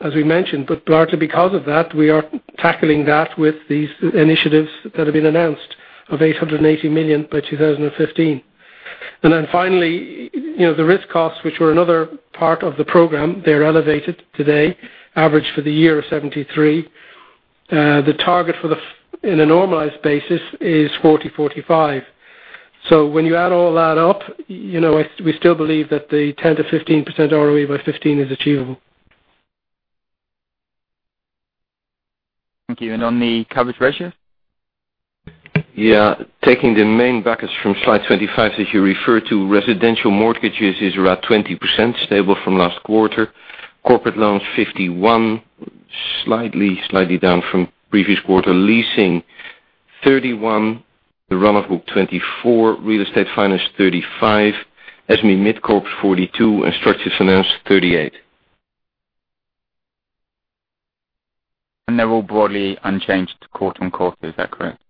As we mentioned, largely because of that, we are tackling that with these initiatives that have been announced of 880 million by 2015. Finally, the risk costs, which were another part of the program, they are elevated today, average for the year of 73. The target in a normalized basis is 40/EUR 45. When you add all that up, we still believe that the 10%-15% ROE by 2015 is achievable. Thank you. On the coverage ratio? Taking the main buckets from slide 25 that you refer to, residential mortgages is around 20%, stable from last quarter. Corporate loans 51%, slightly down from previous quarter. Leasing 31%, the run-off book 24%, real estate finance 35%. SME Mid Corp 42%, structured finance 38%. They are all broadly unchanged quarter-on-quarter; is that correct?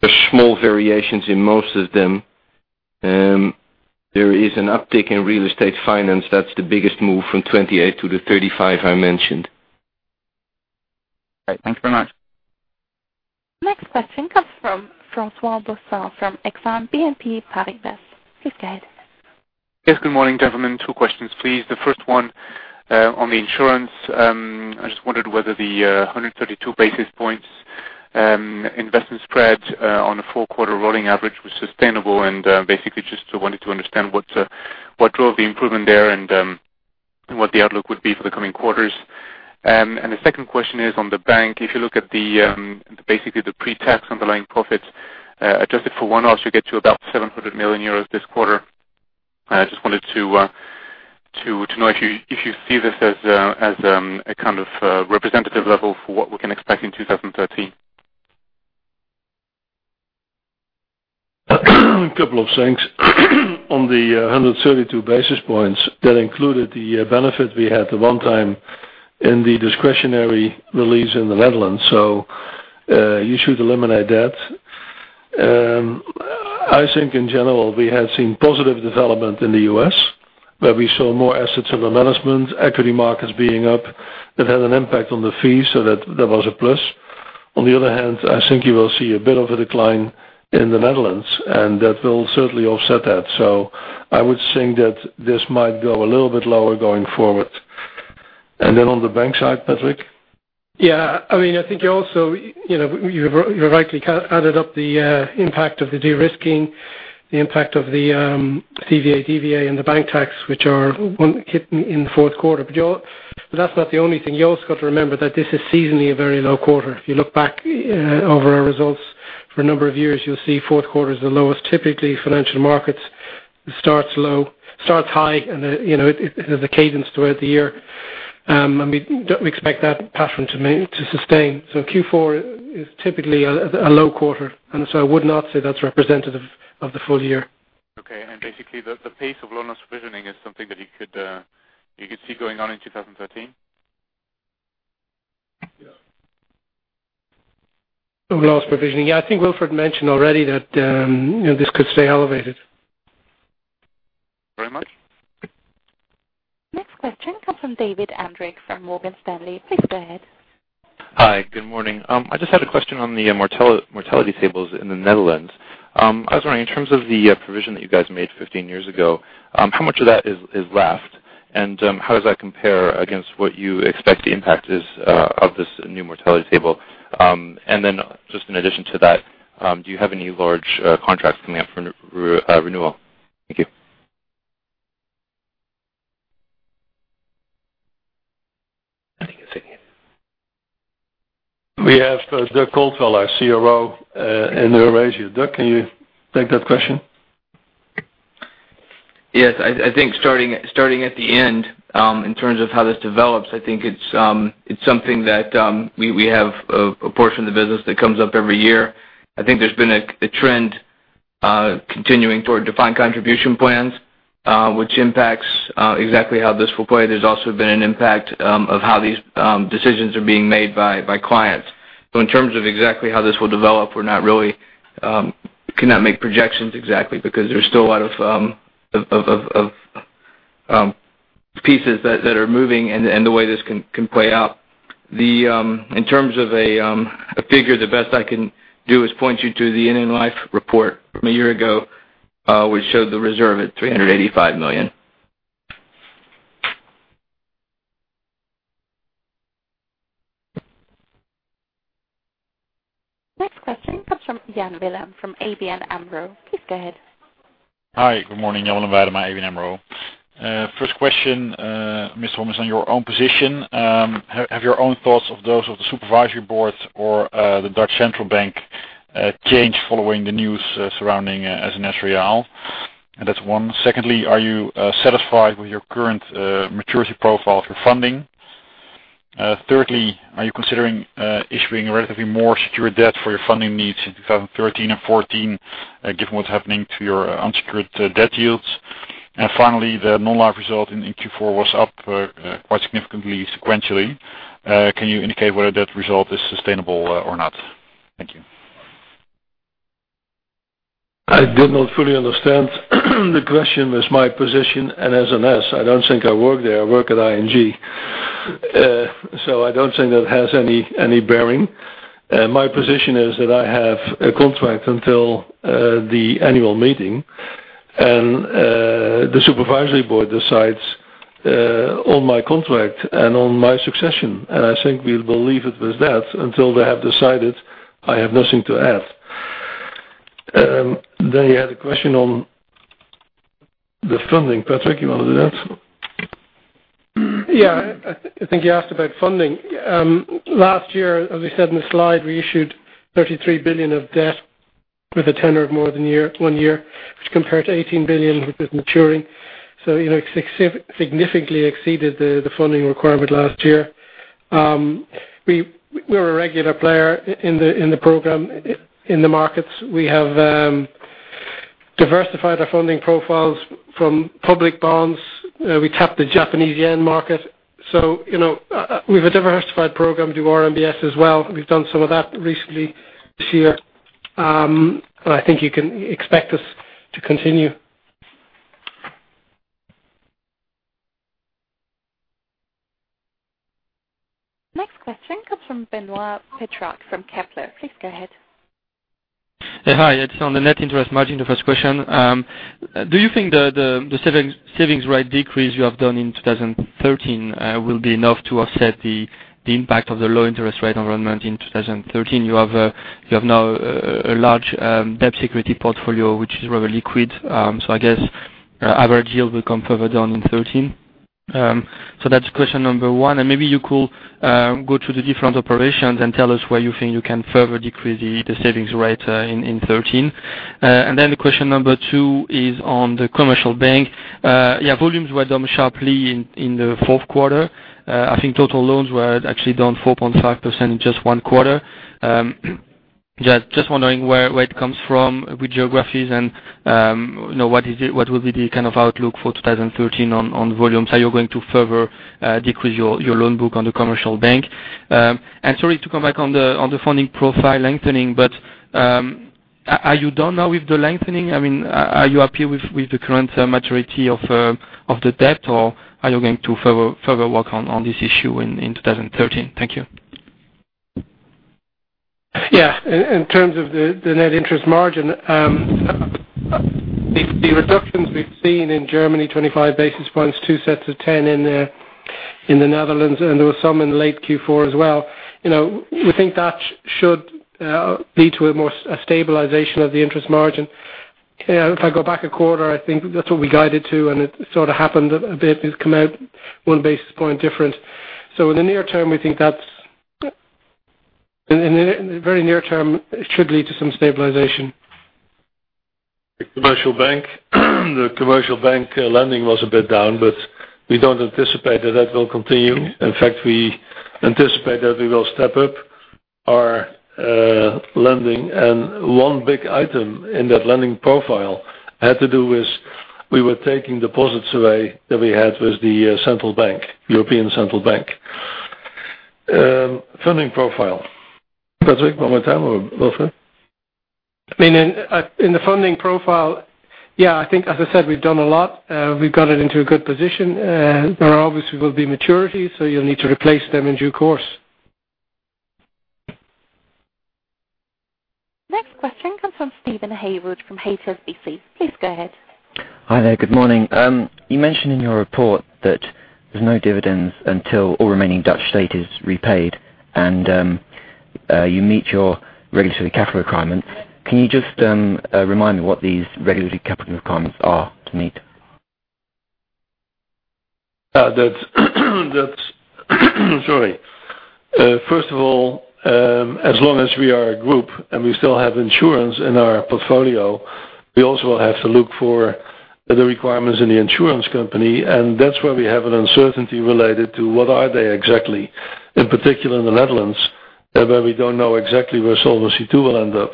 There's small variations in most of them. There is an uptick in real estate finance. That's the biggest move from 28 to the 35 I mentioned. Great. Thanks very much. Next question comes from François Boussel from Exane BNP Paribas. Please go ahead. Yes, good morning, gentlemen. Two questions, please. The first one on the insurance. I just wondered whether the 132 basis points investment spread on a four-quarter rolling average was sustainable, and basically just wanted to understand what drove the improvement there and what the outlook would be for the coming quarters. The second question is on the bank. If you look at the pre-tax underlying profits, adjusted for one-offs, you get to about 700 million euros this quarter. I just wanted to know if you see this as a kind of representative level for what we can expect in 2013. A couple of things. On the 132 basis points, that included the benefit we had the one time in the discretionary release in the Netherlands. You should eliminate that. I think in general, we have seen positive development in the U.S. where we saw more assets under management, equity markets being up. That had an impact on the fees, so that was a plus. On the other hand, I think you will see a bit of a decline in the Netherlands, and that will certainly offset that. I would think that this might go a little bit lower going forward. On the bank side, Patrick? Yeah. I think you rightly added up the impact of the de-risking, the impact of the CVA/DVA, and the bank tax, which hit in the fourth quarter. That's not the only thing. You also got to remember that this is seasonally a very low quarter. If you look back over our results for a number of years, you'll see fourth quarter is the lowest. Typically, financial markets starts high, and it has a cadence throughout the year. We expect that pattern to sustain. Q4 is typically a low quarter. I would not say that's representative of the full year. Okay. Basically, the pace of loan loss provisioning is something that you could see going on in 2013? Yeah. Loan loss provisioning. Yeah, I think Wilfred mentioned already that this could stay elevated. Very much. Next question comes from David Andres from Morgan Stanley. Please go ahead. Hi. Good morning. I just had a question on the mortality tables in the Netherlands. I was wondering, in terms of the provision that you guys made 15 years ago, how much of that is left, and how does that compare against what you expect the impact is of this new mortality table? Then just in addition to that, do you have any large contracts coming up for renewal? Thank you. We have Dirk Stoltz, our CRO in Eurasia. Dirk, can you take that question? Yes, I think starting at the end in terms of how this develops, I think it's something that we have a portion of the business that comes up every year. I think there's been a trend continuing toward defined contribution plans, which impacts exactly how this will play. There's also been an impact of how these decisions are being made by clients. In terms of exactly how this will develop, we cannot make projections exactly because there's still a lot of pieces that are moving and the way this can play out. In terms of a figure, the best I can do is point you to the NN Life report from a year ago, which showed the reserve at 385 million. Next question comes from Jan Willem from ABN AMRO. Please go ahead. Hi, good morning. Jan Willem Weideman, ABN AMRO. First question, Mr. Hommen, on your own position. Have your own thoughts of those of the supervisory board or the Dutch central bank changed following the news surrounding SNS Reaal? That's one. Secondly, are you satisfied with your current maturity profile for funding? Thirdly, are you considering issuing relatively more secured debt for your funding needs in 2013 and 2014, given what's happening to your unsecured debt yields? Finally, the non-life result in Q4 was up quite significantly sequentially. Can you indicate whether that result is sustainable or not? Thank you. I did not fully understand the question with my position at SNS. I don't think I work there. I work at ING. I don't think that has any bearing. My position is that I have a contract until the annual meeting, and the supervisory board decides on my contract and on my succession, and I think we'll leave it with that. Until they have decided, I have nothing to add. You had a question on the funding. Patrick, you want to do that? Yeah. I think you asked about funding. Last year, as we said in the slide, we issued 33 billion of debt with a tenure of more than one year, which compared to 18 billion, which is maturing. It significantly exceeded the funding requirement last year. We are a regular player in the program, in the markets. We have diversified our funding profiles from public bonds. We tapped the Japanese yen market. We have a diversified program. We do RMBS as well, and we have done some of that recently this year. I think you can expect us to continue. Next question comes from Benoit Pétrarque from Kepler. Please go ahead. Hey, hi. It is on the net interest margin, the first question. Do you think the savings rate decrease you have done in 2013 will be enough to offset the impact of the low interest rate environment in 2013? You have now a large debt security portfolio, which is rather liquid. I guess average yield will come further down in 2013. That is question number one, and maybe you could go to the different operations and tell us where you think you can further decrease the savings rate in 2013. Question number two is on the commercial bank. Yeah, volumes were down sharply in the fourth quarter. I think total loans were actually down 4.5% in just one quarter. Just wondering where it comes from with geographies and what will be the kind of outlook for 2013 on volumes. Are you going to further decrease your loan book on the commercial bank? Sorry to come back on the funding profile lengthening, are you done now with the lengthening? Are you happy with the current maturity of the debt, or are you going to further work on this issue in 2013? Thank you. In terms of the net interest margin, the reductions we've seen in Germany, 25 basis points, two sets of 10 in the Netherlands, and there was some in late Q4 as well. We think that should lead to a stabilization of the interest margin. If I go back a quarter, I think that's what we guided to, and it sort of happened a bit. It's come out one basis point different. In the very near term, it should lead to some stabilization. The commercial bank lending was a bit down, we don't anticipate that will continue. In fact, we anticipate that we will step up our lending. One big item in that lending profile had to do with we were taking deposits away that we had with the central bank, European Central Bank. Funding profile. Patrick, one more time, or Wilfred? In the funding profile, I think, as I said, we've done a lot. We've got it into a good position. There obviously will be maturities, you'll need to replace them in due course. Next question comes from Steven Haywood from HSBC. Please go ahead. Hi there. Good morning. You mentioned in your report that there's no dividends until all remaining Dutch state is repaid, and you meet your regulatory capital requirements. Can you just remind me what these regulatory capital requirements are to meet? First of all, as long as we are a group and we still have insurance in our portfolio, we also have to look for the requirements in the insurance company, and that's where we have an uncertainty related to what are they exactly, in particular in the Netherlands, where we don't know exactly where Solvency II will end up.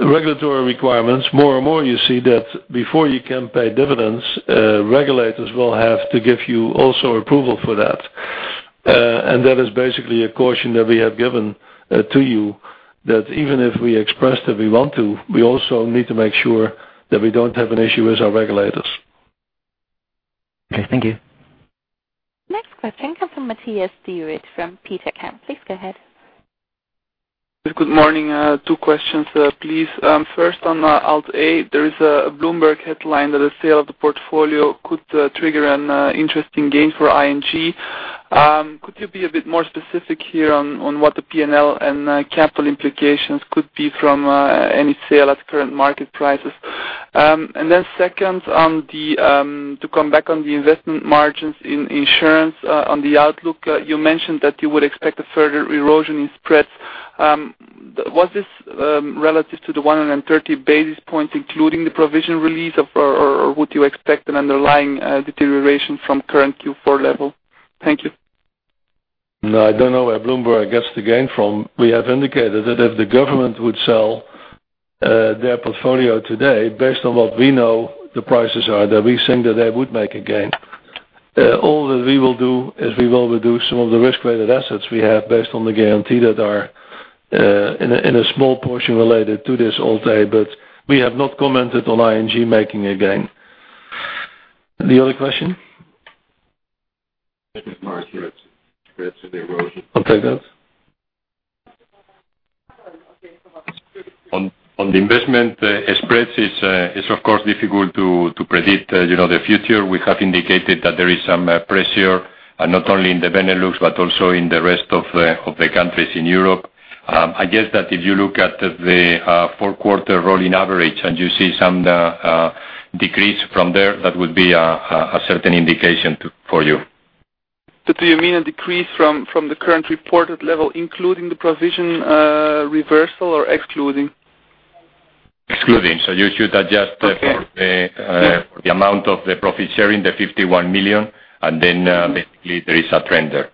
Regulatory requirements, more and more you see that before you can pay dividends, regulators will have to give you also approval for that. That is basically a caution that we have given to you, that even if we express that we want to, we also need to make sure that we don't have an issue with our regulators. Okay, thank you. Next question comes from Matthias Dierick from Petercam. Please go ahead. Good morning. Two questions, please. First on Alt-A, there is a Bloomberg headline that the sale of the portfolio could trigger an interesting gain for ING. Could you be a bit more specific here on what the P&L and capital implications could be from any sale at current market prices? Second, to come back on the investment margins in insurance, on the outlook, you mentioned that you would expect a further erosion in spreads. Was this relative to the 130 basis points including the provision release, or would you expect an underlying deterioration from current Q4 level? Thank you. No, I don't know where Bloomberg gets the gain from. We have indicated that if the government would sell their portfolio today, based on what we know the prices are, that we think that they would make a gain. All that we will do is we will reduce some of the risk-weighted assets we have based on the guarantee that are in a small portion related to this Alt-A, but we have not commented on ING making a gain. The other question? I'll take that. On the investment spreads, it's of course difficult to predict the future. We have indicated that there is some pressure, not only in the Benelux but also in the rest of the countries in Europe. I guess that if you look at the fourth quarter rolling average and you see some decrease from there, that would be a certain indication for you. Do you mean a decrease from the current reported level, including the provision reversal or excluding? Excluding. You should adjust- Okay for the amount of the profit sharing, the 51 million. There is a trend there.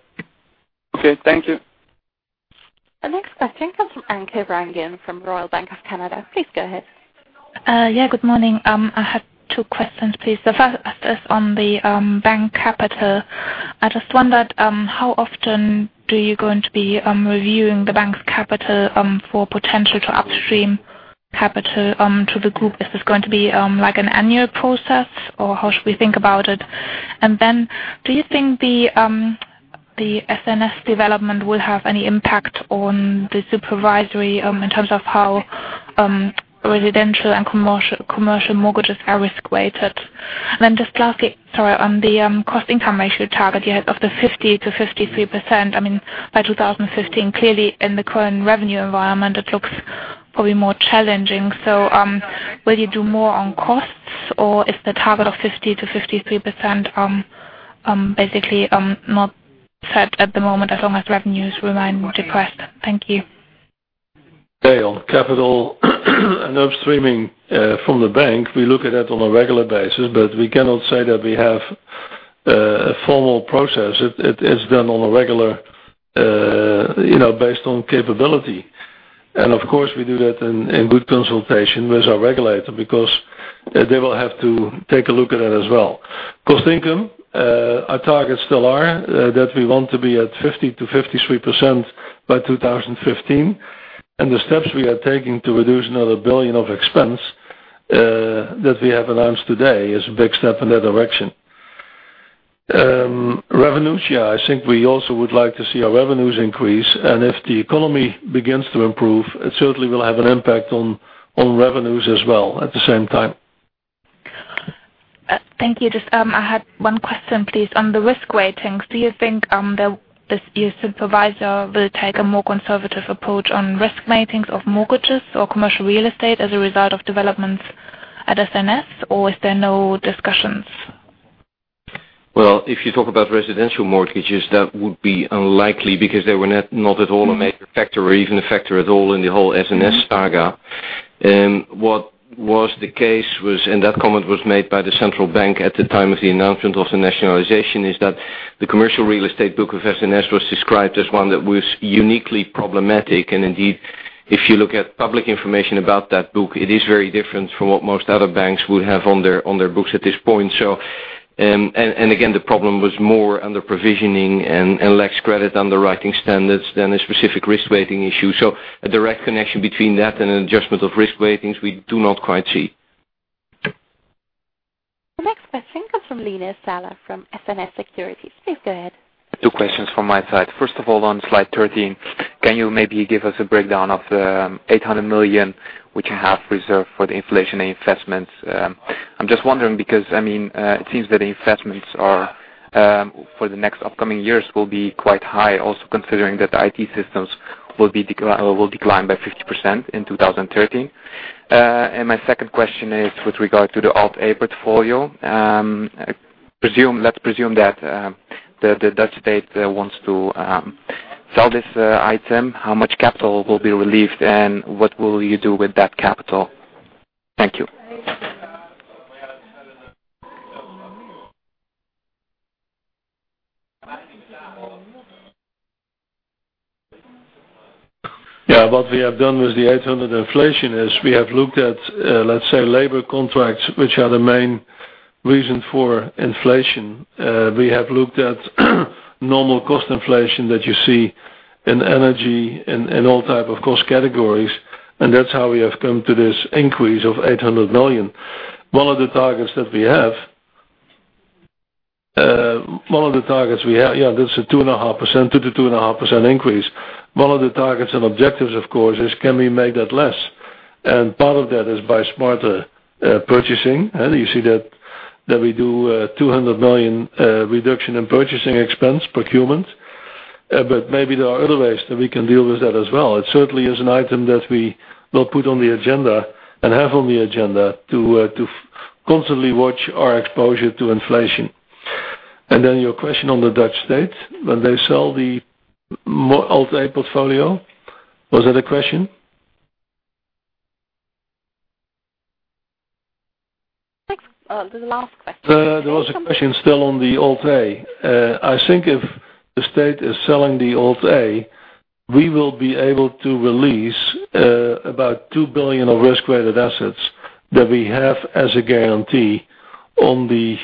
Okay, thank you. The next question comes from Anke Reingen from Royal Bank of Canada. Please go ahead. Good morning. I have two questions, please. The first is on the bank capital. I just wondered, how often do you going to be reviewing the bank's capital for potential to upstream capital to the group? Is this going to be an annual process, or how should we think about it? Do you think the SNS development will have any impact on the supervisory in terms of how residential and commercial mortgages are risk-weighted? Just lastly, sorry, on the cost-income ratio target you had of the 50%-53%, by 2015, clearly in the current revenue environment, it looks probably more challenging. Will you do more on costs, or is the target of 50%-53% basically not set at the moment as long as revenues remain depressed? Thank you. On capital and upstreaming from the bank, we look at that on a regular basis, but we cannot say that we have a formal process. It is done on a regular, based on capability. Of course, we do that in good consultation with our regulator because they will have to take a look at it as well. Cost income, our targets still are that we want to be at 50%-53% by 2015, and the steps we are taking to reduce another 1 billion of expense that we have announced today is a big step in that direction. Revenues, yeah, I think we also would like to see our revenues increase, if the economy begins to improve, it certainly will have an impact on revenues as well at the same time. Thank you. Just I had one question, please. On the risk weighting, do you think that your supervisor will take a more conservative approach on risk weightings of mortgages or commercial real estate as a result of developments at SNS, or is there no discussions? Well, if you talk about residential mortgages, that would be unlikely because they were not at all a major factor or even a factor at all in the whole SNS saga. What was the case was, that comment was made by the Central Bank at the time of the announcement of the nationalization, is that the commercial real estate book of SNS was described as one that was uniquely problematic. Indeed, if you look at public information about that book, it is very different from what most other banks would have on their books at this point. Again, the problem was more underprovisioning and less credit underwriting standards than a specific risk weighting issue. A direct connection between that and an adjustment of risk weightings, we do not quite see. The next question comes from Line Sala from SNS Securities. Please go ahead. Two questions from my side. First of all, on slide 13, can you maybe give us a breakdown of the 800 million which you have reserved for the inflation investments? I am just wondering because it seems that investments for the next upcoming years will be quite high, also considering that the IT systems will decline by 50% in 2030. My second question is with regard to the Alt-A portfolio. Let's presume that the Dutch state wants to sell this item. How much capital will be relieved, and what will you do with that capital? Thank you. What we have done with the 800 inflation is we have looked at, let's say, labor contracts, which are the main reason for inflation. We have looked at normal cost inflation that you see in energy and all type of cost categories, and that's how we have come to this increase of 800 million. That's a 2.5% increase. One of the targets and objectives, of course, is can we make that less? Part of that is by smarter purchasing. You see that we do 200 million reduction in purchasing expense procurement. Maybe there are other ways that we can deal with that as well. It certainly is an item that we will put on the agenda and have on the agenda to constantly watch our exposure to inflation. Then your question on the Dutch state, when they sell the Alt-A portfolio. Was that a question? Next. The last question. There was a question still on the Alt-A. I think if the state is selling the Alt-A, we will be able to release about 2 billion of risk-weighted assets that we have as a guarantee on the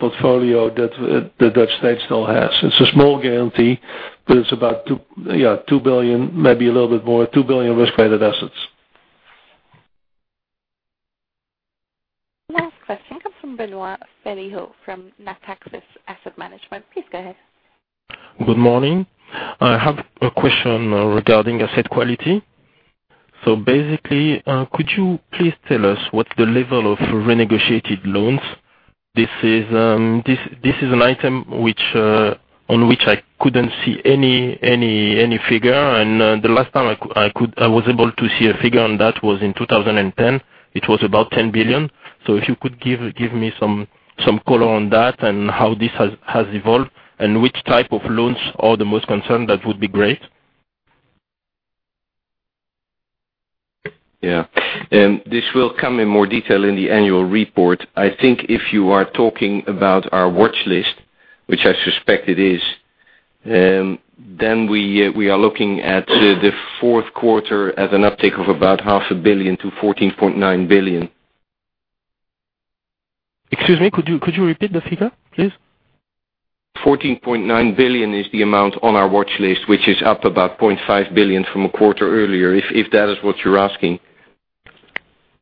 portfolio that the Dutch state still has. It's a small guarantee, but it's about 2 billion, maybe a little bit more, 2 billion risk-weighted assets. Last question comes from Benoît Peloille from Natixis Wealth Management. Please go ahead. Good morning. I have a question regarding asset quality. Could you please tell us what the level of renegotiated loans? This is an item on which I couldn't see any figure. The last time I was able to see a figure on that was in 2010. It was about 10 billion. If you could give me some color on that and how this has evolved and which type of loans are the most concerned, that would be great. Yeah. This will come in more detail in the annual report. I think if you are talking about our watch list, which I suspect it is, then we are looking at the fourth quarter as an uptake of about 0.5 billion to 14.9 billion. Excuse me. Could you repeat the figure, please? 14.9 billion is the amount on our watch list, which is up about 0.5 billion from a quarter earlier. If that is what you're asking.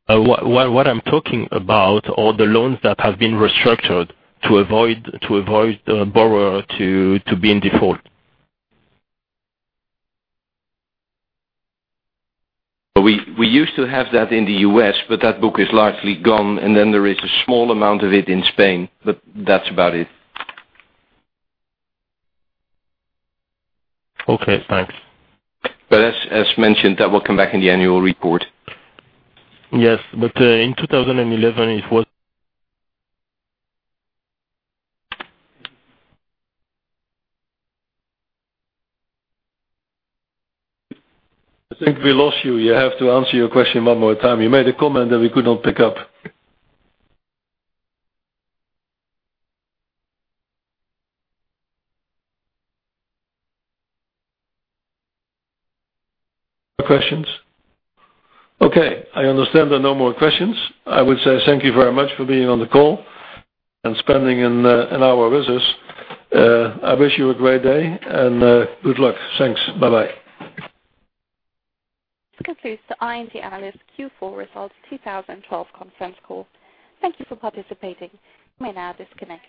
What I'm talking about are the loans that have been restructured to avoid the borrower to be in default. We used to have that in the U.S., but that book is largely gone, and then there is a small amount of it in Spain, but that's about it. Okay, thanks. As mentioned, that will come back in the annual report. Yes, in 2011, it was I think we lost you. You have to answer your question one more time. You made a comment that we could not pick up. No more questions. Okay, I understand there are no more questions. I would say thank you very much for being on the call and spending an hour with us. I wish you a great day and good luck. Thanks. Bye-bye. This concludes the ING Groep Q4 Results 2012 conference call. Thank you for participating. You may now disconnect.